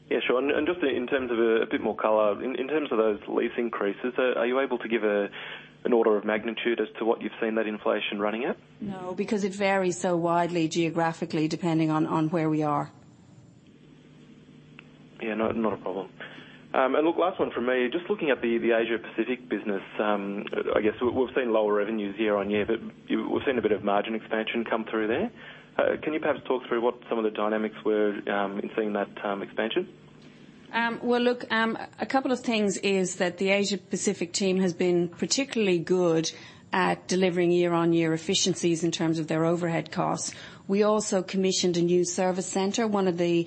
[SPEAKER 7] Yeah, sure. Just in terms of a bit more color, in terms of those lease increases, are you able to give an order of magnitude as to what you've seen that inflation running at?
[SPEAKER 3] No, because it varies so widely geographically depending on where we are.
[SPEAKER 7] Yeah, not a problem. Look, last one from me, just looking at the Asia Pacific business, I guess we've seen lower revenues year-on-year, but we've seen a bit of margin expansion come through there. Can you perhaps talk through what some of the dynamics were in seeing that expansion?
[SPEAKER 3] Well, look, a couple of things is that the Asia-Pacific team has been particularly good at delivering year-on-year efficiencies in terms of their overhead costs. We also commissioned a new service center. One of the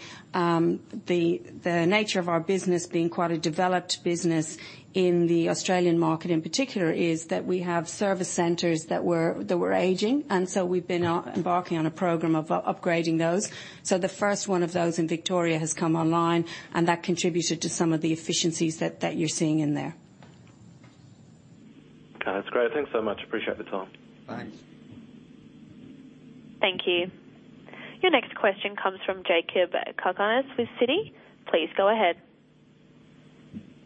[SPEAKER 3] nature of our business being quite a developed business in the Australian market in particular is that we have service centers that were aging. We've been embarking on a program of upgrading those. The first one of those in Victoria has come online, and that contributed to some of the efficiencies that you're seeing in there.
[SPEAKER 7] Okay. That's great. Thanks so much. Appreciate the time.
[SPEAKER 2] Thanks.
[SPEAKER 1] Thank you. Your next question comes from Jakob Cakarnis with Citi. Please go ahead.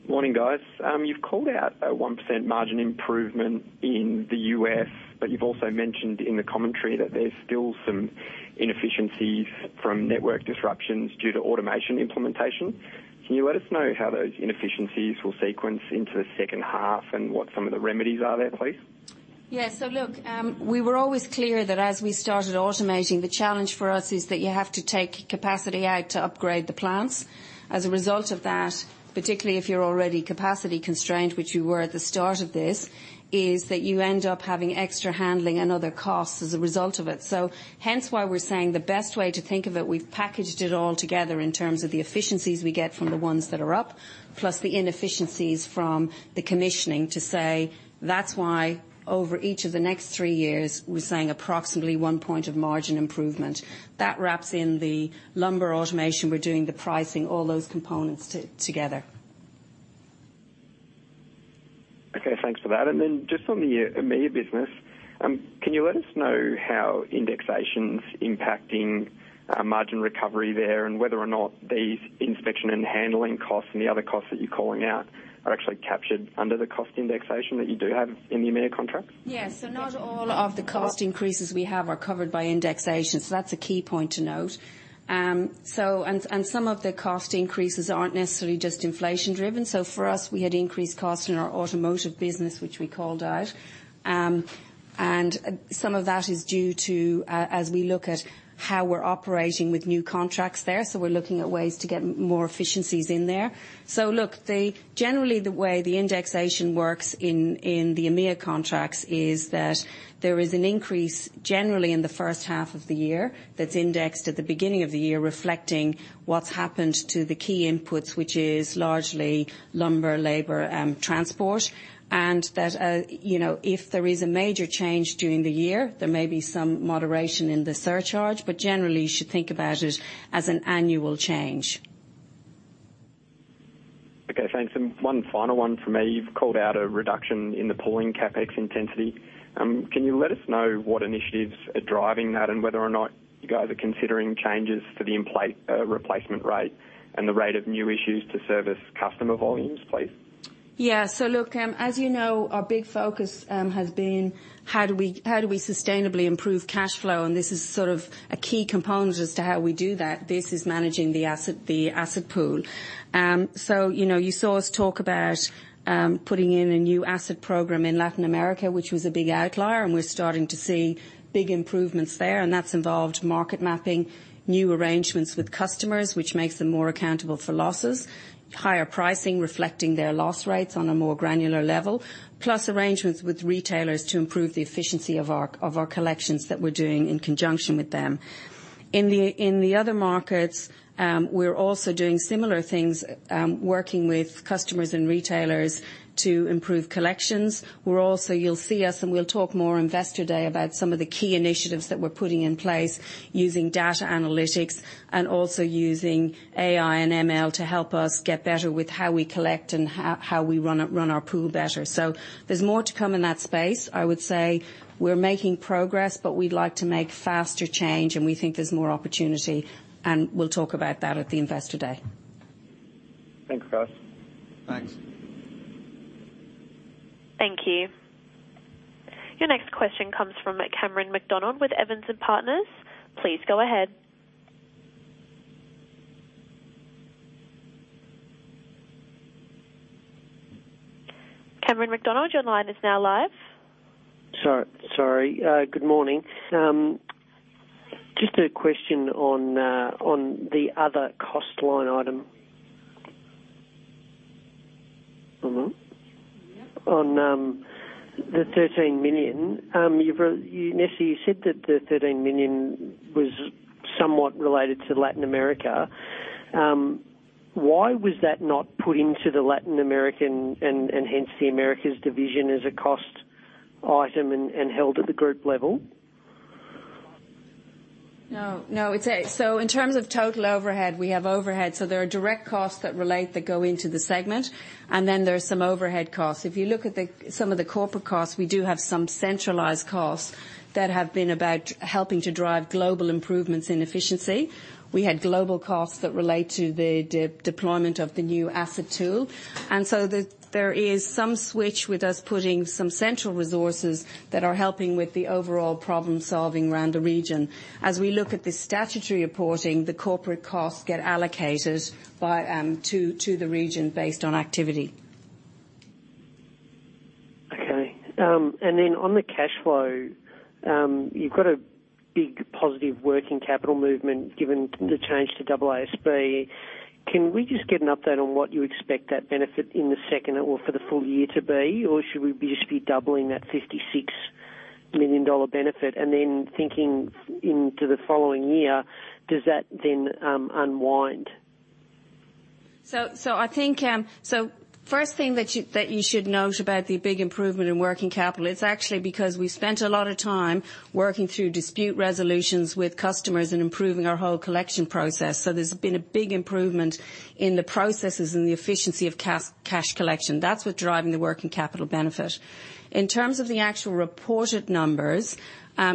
[SPEAKER 8] Morning, guys. You've called out a 1% margin improvement in the U.S., but you've also mentioned in the commentary that there's still some inefficiencies from network disruptions due to automation implementation. Can you let us know how those inefficiencies will sequence into the second half and what some of the remedies are there, please?
[SPEAKER 3] Look, we were always clear that as we started automating, the challenge for us is that you have to take capacity out to upgrade the plants. As a result of that, particularly if you're already capacity constrained, which you were at the start of this, is that you end up having extra handling and other costs as a result of it. Hence why we're saying the best way to think of it, we've packaged it all together in terms of the efficiencies we get from the ones that are up, plus the inefficiencies from the commissioning to say that's why over each of the next three years, we're saying approximately one point of margin improvement. That wraps in the lumber automation we're doing, the pricing, all those components together.
[SPEAKER 8] Okay, thanks for that. Then just on the EMEA business, can you let us know how indexation's impacting margin recovery there and whether or not these inspection and handling costs and the other costs that you're calling out are actually captured under the cost indexation that you do have in the EMEA contract?
[SPEAKER 3] Yes. Not all of the cost increases we have are covered by indexation. That's a key point to note. Some of the cost increases aren't necessarily just inflation driven. For us, we had increased costs in our automotive business, which we called out. Some of that is due to as we look at how we're operating with new contracts there, so we're looking at ways to get more efficiencies in there. Look, generally the way the indexation works in the EMEA contracts is that there is an increase generally in the first half of the year that's indexed at the beginning of the year, reflecting what's happened to the key inputs, which is largely lumber, labor, and transport. That if there is a major change during the year, there may be some moderation in the surcharge, but generally you should think about it as an annual change.
[SPEAKER 8] Okay, thanks. One final one from me. You've called out a reduction in the pooling CapEx intensity. Can you let us know what initiatives are driving that and whether or not you guys are considering changes to the replacement rate and the rate of new issues to service customer volumes, please?
[SPEAKER 3] Yeah. Look, as you know, our big focus has been how do we sustainably improve cash flow, and this is sort of a key component as to how we do that. This is managing the asset pool. You saw us talk about putting in a new asset program in Latin America, which was a big outlier, and we're starting to see big improvements there. That's involved market mapping, new arrangements with customers, which makes them more accountable for losses, higher pricing reflecting their loss rates on a more granular level, plus arrangements with retailers to improve the efficiency of our collections that we're doing in conjunction with them. In the other markets, we're also doing similar things, working with customers and retailers to improve collections. You'll see us and we'll talk more Investor Day about some of the key initiatives that we're putting in place using data analytics and also using AI and ML to help us get better with how we collect and how we run our pool better. There's more to come in that space. I would say we're making progress, but we'd like to make faster change and we think there's more opportunity, and we'll talk about that at the Investor Day.
[SPEAKER 8] Thanks, guys.
[SPEAKER 2] Thanks.
[SPEAKER 1] Thank you. Your next question comes from Cameron McDonald with Evans and Partners. Please go ahead. Cameron McDonald, your line is now live.
[SPEAKER 9] Sorry. Good morning. Just a question on the other cost line item, on the $13 million. You initially said that the $13 million was somewhat related to Latin America. Why was that not put into the Latin American and hence the Americas division as a cost item and held at the group level?
[SPEAKER 3] No. In terms of total overhead, we have overhead. There are direct costs that relate that go into the segment, and then there's some overhead costs. If you look at some of the corporate costs, we do have some centralized costs that have been about helping to drive global improvements in efficiency. We had global costs that relate to the deployment of the new asset tool, and so there is some switch with us putting some central resources that are helping with the overall problem-solving around the region. As we look at the statutory reporting, the corporate costs get allocated to the region based on activity.
[SPEAKER 9] Okay. On the cash flow, you've got a big positive working capital movement given the change to AASB. We just get an update on what you expect that benefit in the second or for the full year to be, should we just be doubling that $56 million benefit and then thinking into the following year, does that then unwind?
[SPEAKER 3] First thing that you should note about the big improvement in working capital, it's actually because we spent a lot of time working through dispute resolutions with customers and improving our whole collection process. There's been a big improvement in the processes and the efficiency of cash collection. That's what's driving the working capital benefit. In terms of the actual reported numbers,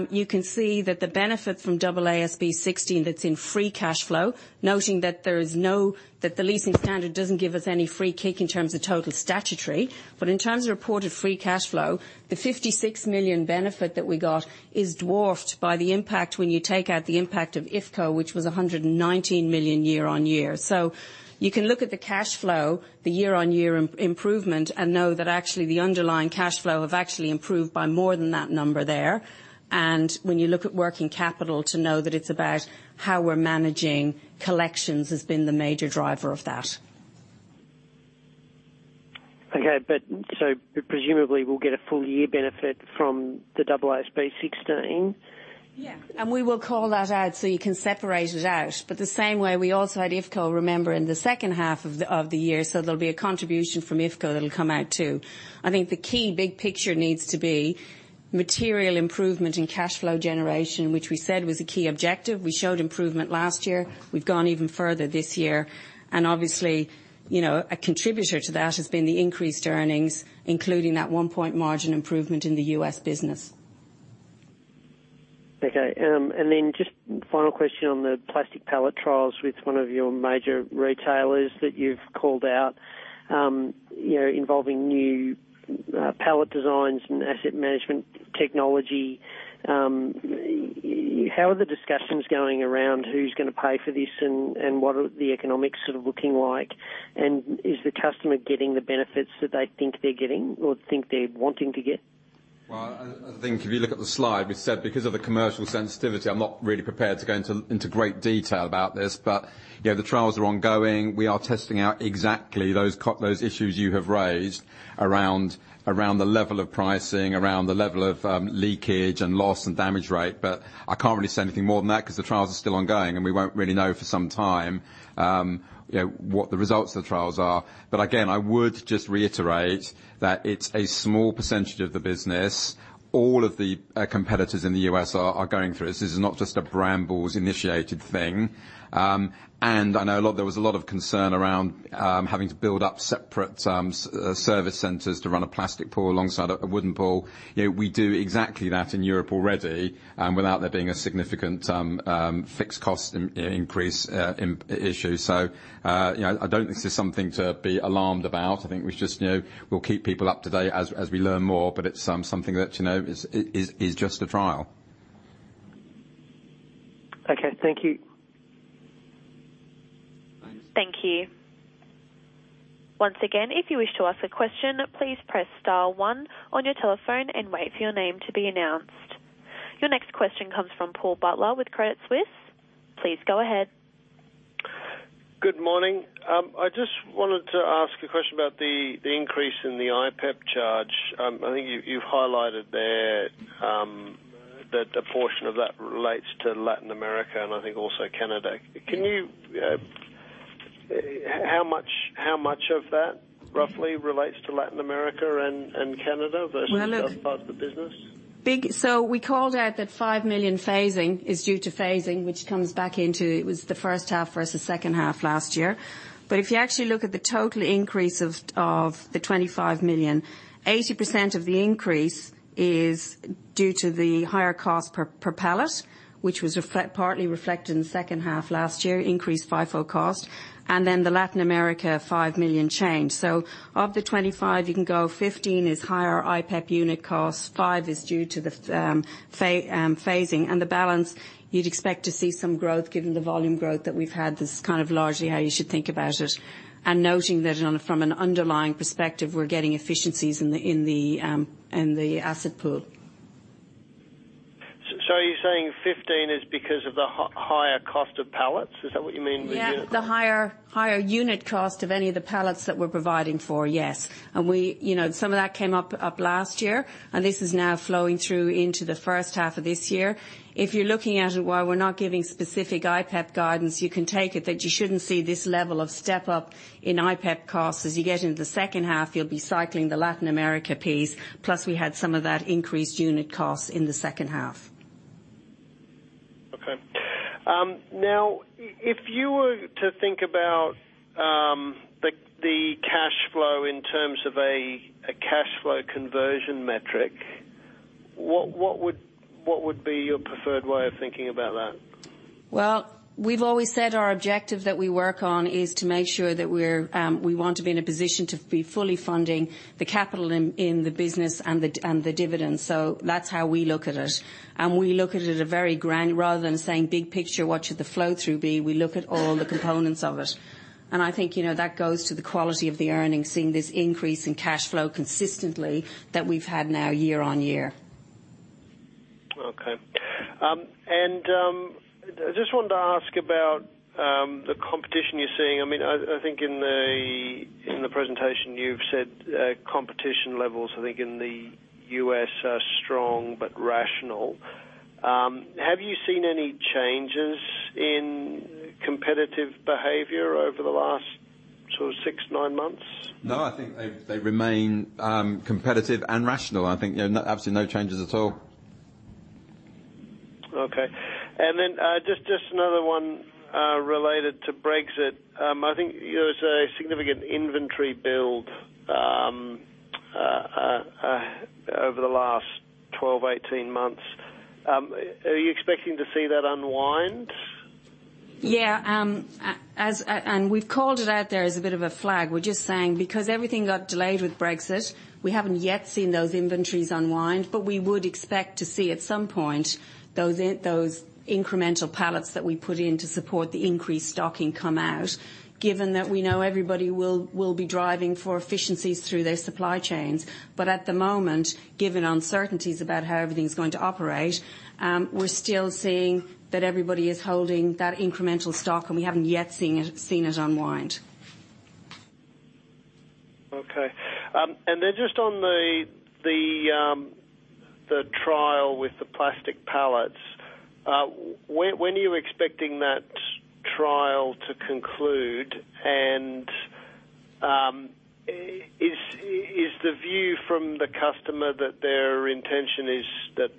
[SPEAKER 3] you can see that the benefit from AASB 16 that's in free cash flow, noting that the leasing standard doesn't give us any free kick in terms of total statutory. In terms of reported free cash flow, the $56 million benefit that we got is dwarfed by the impact when you take out the impact of IFCO, which was $119 million year-on-year. You can look at the cash flow, the year-on-year improvement, and know that actually the underlying cash flow have actually improved by more than that number there. When you look at working capital to know that it's about how we're managing collections has been the major driver of that.
[SPEAKER 9] Okay. Presumably we'll get a full year benefit from the AASB 16?
[SPEAKER 3] Yeah. We will call that out so you can separate it out. The same way we also had IFCO, remember, in the second half of the year. There'll be a contribution from IFCO that'll come out too. I think the key big picture needs to be material improvement in cash flow generation, which we said was a key objective. We showed improvement last year. We've gone even further this year. Obviously, a contributor to that has been the increased earnings, including that one point margin improvement in the U.S. business.
[SPEAKER 9] Okay. Just final question on the plastic pallet trials with one of your major retailers that you've called out, involving new pallet designs and asset management technology. How are the discussions going around who's going to pay for this, and what are the economics looking like? Is the customer getting the benefits that they think they're getting or think they're wanting to get?
[SPEAKER 2] Well, I think if you look at the slide, we said because of the commercial sensitivity, I'm not really prepared to go into great detail about this. The trials are ongoing. We are testing out exactly those issues you have raised around the level of pricing, around the level of leakage and loss and damage rate. I can't really say anything more than that because the trials are still ongoing, and we won't really know for some time what the results of the trials are. Again, I would just reiterate that it's a small percentage of the business. All of the competitors in the U.S. are going through this. This is not just a Brambles-initiated thing. I know there was a lot of concern around having to build up separate service centers to run a plastic pool alongside a wooden pool. We do exactly that in Europe already, without there being a significant fixed cost increase issue. I don't think this is something to be alarmed about. I think we'll keep people up to date as we learn more, but it's something that is just a trial.
[SPEAKER 9] Okay. Thank you.
[SPEAKER 2] Thanks.
[SPEAKER 1] Thank you. Once again, if you wish to ask a question, please press star one on your telephone and wait for your name to be announced. Your next question comes from Paul Butler with Credit Suisse. Please go ahead.
[SPEAKER 10] Good morning. I just wanted to ask a question about the increase in the IPEP charge. I think you've highlighted there that a portion of that relates to Latin America and I think also Canada. How much of that roughly relates to Latin America and Canada versus-?
[SPEAKER 3] Well.
[SPEAKER 10] just part of the business?
[SPEAKER 3] We called out that $5 million phasing is due to phasing, which comes back into, it was the first half versus second half last year. If you actually look at the total increase of the $25 million, 80% of the increase is due to the higher cost per pallet, which was partly reflected in the second half last year, increased FIFO cost, and then the Latin America $5 million change. Of the $25, you can go 15 is higher IPEP unit cost, five is due to the phasing, and the balance you would expect to see some growth given the volume growth that we have had. This is kind of largely how you should think about it. Noting that from an underlying perspective, we are getting efficiencies in the asset pool.
[SPEAKER 10] Are you saying 15 is because of the higher cost of pallets? Is that what you mean?
[SPEAKER 3] Yeah. The higher unit cost of any of the pallets that we're providing for, yes. Some of that came up last year, and this is now flowing through into the first half of this year. If you're looking at it, while we're not giving specific IPEP guidance, you can take it that you shouldn't see this level of step up in IPEP costs. As you get into the second half, you'll be cycling the Latin America piece, plus we had some of that increased unit cost in the second half.
[SPEAKER 10] Okay. If you were to think about the cash flow in terms of a cash flow conversion metric, what would be your preferred way of thinking about that?
[SPEAKER 3] We've always said our objective that we work on is to make sure that we want to be in a position to be fully funding the capital in the business and the dividends. That's how we look at it. We look at it at a very grand, rather than saying big picture, what should the flow-through be, we look at all the components of it. I think that goes to the quality of the earnings, seeing this increase in cash flow consistently that we've had now year-on-year.
[SPEAKER 10] Okay. I just wanted to ask about the competition you're seeing. I think in the presentation you've said competition levels, I think in the U.S. are strong but rational. Have you seen any changes in competitive behavior over the last sort of six, nine months?
[SPEAKER 2] No, I think they remain competitive and rational. I think absolutely no changes at all.
[SPEAKER 10] Okay. Just another one related to Brexit. I think there was a significant inventory build over the last 12, 18 months. Are you expecting to see that unwind?
[SPEAKER 3] Yeah. We've called it out there as a bit of a flag. We're just saying because everything got delayed with Brexit, we haven't yet seen those inventories unwind. We would expect to see at some point those incremental pallets that we put in to support the increased stocking come out, given that we know everybody will be driving for efficiencies through their supply chains. At the moment, given uncertainties about how everything's going to operate, we're still seeing that everybody is holding that incremental stock, and we haven't yet seen it unwind.
[SPEAKER 10] Okay. Then just on the trial with the plastic pallets, when are you expecting that trial to conclude? Is the view from the customer that their intention is that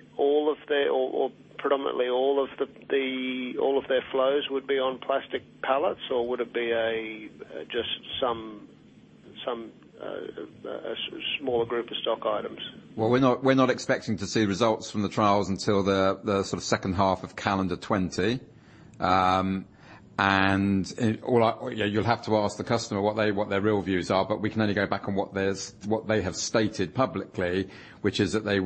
[SPEAKER 10] predominantly all of their flows would be on plastic pallets? Would it be just smaller group of stock items?
[SPEAKER 2] Well, we're not expecting to see results from the trials until the sort of second half of calendar 2020. You'll have to ask the customer what their real views are, but we can only go back on what they have stated publicly, which is that they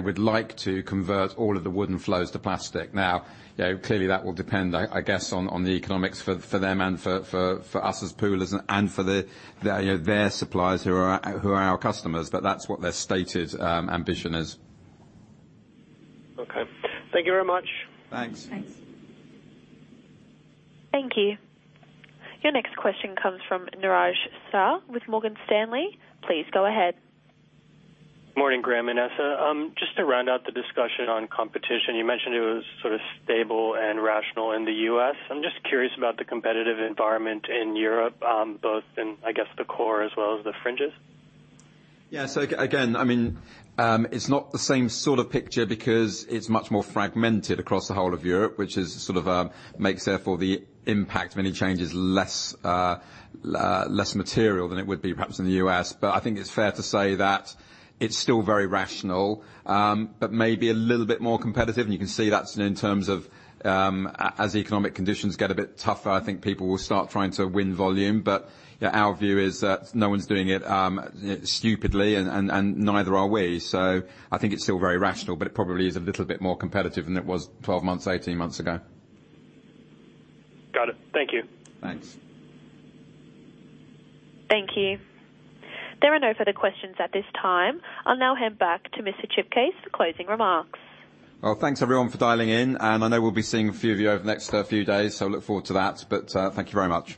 [SPEAKER 2] would like to convert all of the wooden flows to plastic. Clearly that will depend, I guess, on the economics for them and for us as Poolers and for their suppliers who are our customers, but that's what their stated ambition is.
[SPEAKER 10] Okay. Thank you very much.
[SPEAKER 2] Thanks.
[SPEAKER 3] Thanks.
[SPEAKER 1] Thank you. Your next question comes from Niraj Shah with Morgan Stanley. Please go ahead.
[SPEAKER 11] Morning, Graham and Nessa. Just to round out the discussion on competition, you mentioned it was sort of stable and rational in the U.S. I'm just curious about the competitive environment in Europe, both in, I guess, the core as well as the fringes.
[SPEAKER 2] Yeah. Again, it's not the same sort of picture because it's much more fragmented across the whole of Europe, which sort of makes therefore the impact of any changes less material than it would be perhaps in the U.S. I think it's fair to say that it's still very rational, but maybe a little bit more competitive. You can see that in terms of, as the economic conditions get a bit tougher, I think people will start trying to win volume. Our view is that no one's doing it stupidly and neither are we. I think it's still very rational, but it probably is a little bit more competitive than it was 12 months, 18 months ago.
[SPEAKER 11] Got it. Thank you.
[SPEAKER 2] Thanks.
[SPEAKER 1] Thank you. There are no further questions at this time. I'll now hand back to Mr. Graham Chipchase for closing remarks.
[SPEAKER 2] Well, thanks everyone for dialing in, and I know we'll be seeing a few of you over the next few days, so look forward to that. Thank you very much.